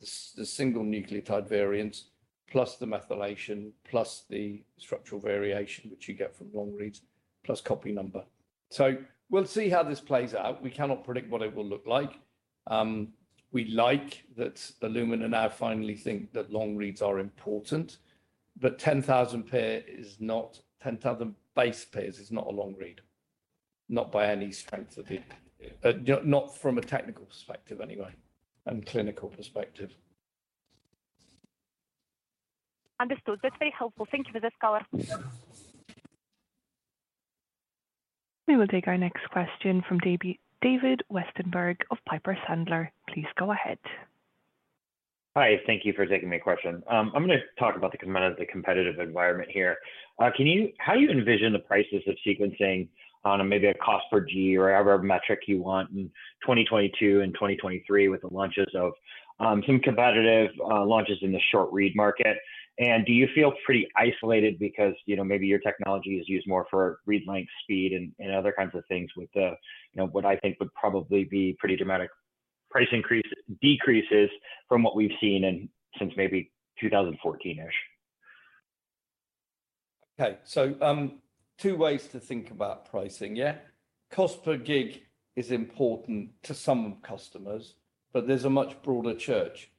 Speaker 1: the single nucleotide variants, plus the methylation, plus the structural variation, which you get from long reads, plus copy number. We'll see how this plays out. We cannot predict what it will look like. We like that Illumina now finally think that long reads are important, but 10,000 base pairs is not a long read, not by any strength of the, not from a technical perspective anyway, and clinical perspective.
Speaker 10: Understood. That's very helpful. Thank you, Mr. Sanghera.
Speaker 3: We will take our next question from David Westenberg of Piper Sandler. Please go ahead.
Speaker 11: Hi, thank you for taking my question. I'm gonna talk about the competitive environment here. How do you envision the prices of sequencing on maybe a cost per G or whatever metric you want in 2022 and 2023 with the launches of some competitive launches in the short read market? Do you feel pretty isolated because, you know, maybe your technology is used more for read length, speed, and other kinds of things with the, you know, what I think would probably be pretty dramatic price decreases from what we've seen since maybe 2014-ish?
Speaker 1: Okay. Two ways to think about pricing, yeah. Cost per gig is important to some customers, but there's a much broader church.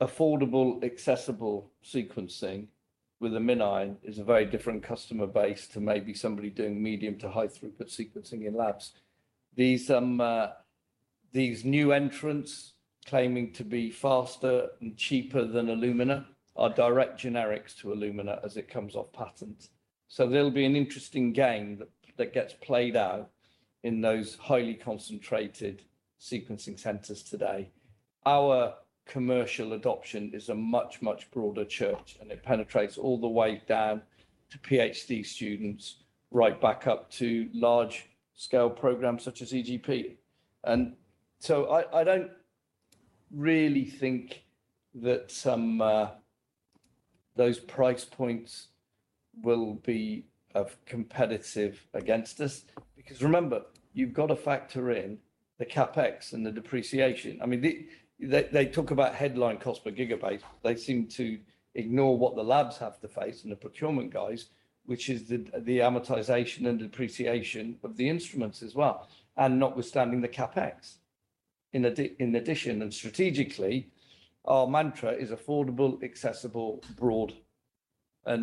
Speaker 1: Affordable, accessible sequencing with a MinION is a very different customer base to maybe somebody doing medium to high-throughput sequencing in labs. These new entrants claiming to be faster and cheaper than Illumina are direct generics to Illumina as it comes off patent. There'll be an interesting game that gets played out in those highly concentrated sequencing centers today. Our commercial adoption is a much broader church, and it penetrates all the way down to PhD students right back up to large-scale programs such as EGP. I don't really think that some those price points will be competitive against us. Because remember, you've got to factor in the CapEx and the depreciation. I mean, they talk about headline cost per gigabyte. They seem to ignore what the labs have to face and the procurement guys, which is the amortization and depreciation of the instruments as well, and notwithstanding the CapEx. In addition, and strategically, our mantra is affordable, accessible, broad. I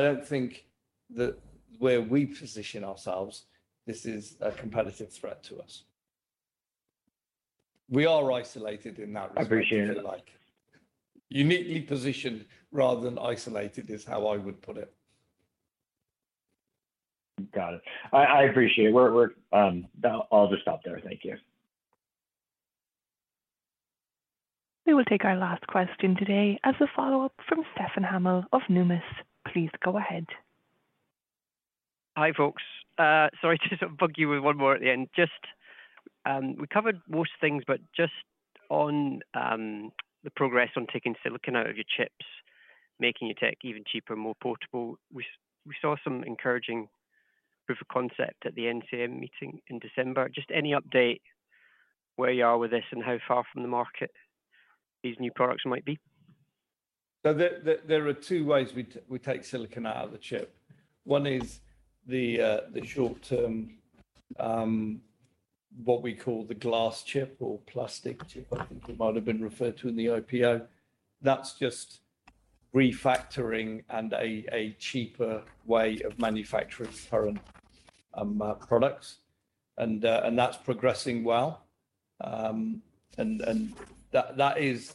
Speaker 1: don't think that where we position ourselves, this is a competitive threat to us. We are isolated in that respect, if you like.
Speaker 11: I appreciate it.
Speaker 1: Uniquely positioned rather than isolated is how I would put it.
Speaker 11: Got it. I appreciate it. I'll just stop there. Thank you.
Speaker 3: We will take our last question today as a follow-up from Stefan Hamill of Numis. Please go ahead.
Speaker 4: Hi, folks. Sorry to sort of bug you with one more at the end. Just we covered most things, but just on the progress on taking silicon out of your chips, making your tech even cheaper and more portable. We saw some encouraging proof of concept at the NCM meeting in December. Just any update where you are with this and how far from the market these new products might be?
Speaker 1: There are two ways we take silicon out of the chip. One is the short term, what we call the glass chip or plastic chip, I think it might have been referred to in the IPO. That's just refactoring and a cheaper way of manufacturing current products. That is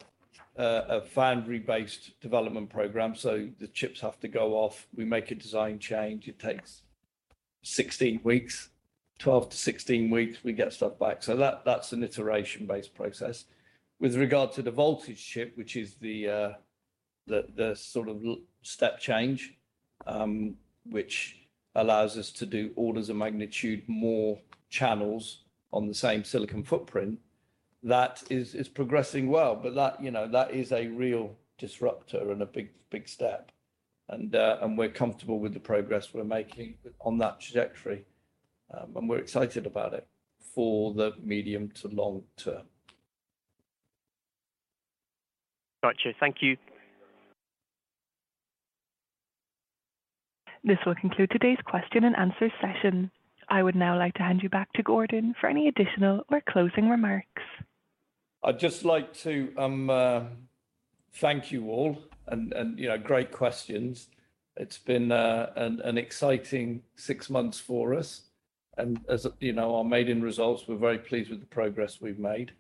Speaker 1: a foundry-based development program. The chips have to go off. We make a design change. It takes 16 weeks. 12-16 weeks, we get stuff back. That is an iteration-based process. With regard to the Voltage chip, which is the sort of step change, which allows us to do orders of magnitude more channels on the same silicon footprint. That is progressing well. That, you know, that is a real disruptor and a big, big step. We're comfortable with the progress we're making on that trajectory. We're excited about it for the medium to long term.
Speaker 4: Got you. Thank you.
Speaker 3: This will conclude today's question and answer session. I would now like to hand you back to Gordon for any additional or closing remarks.
Speaker 1: I'd just like to thank you all and, you know, great questions. It's been an exciting six months for us. As you know, our maiden results, we're very pleased with the progress we've made.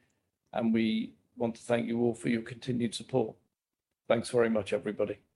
Speaker 1: We want to thank you all for your continued support. Thanks very much, everybody.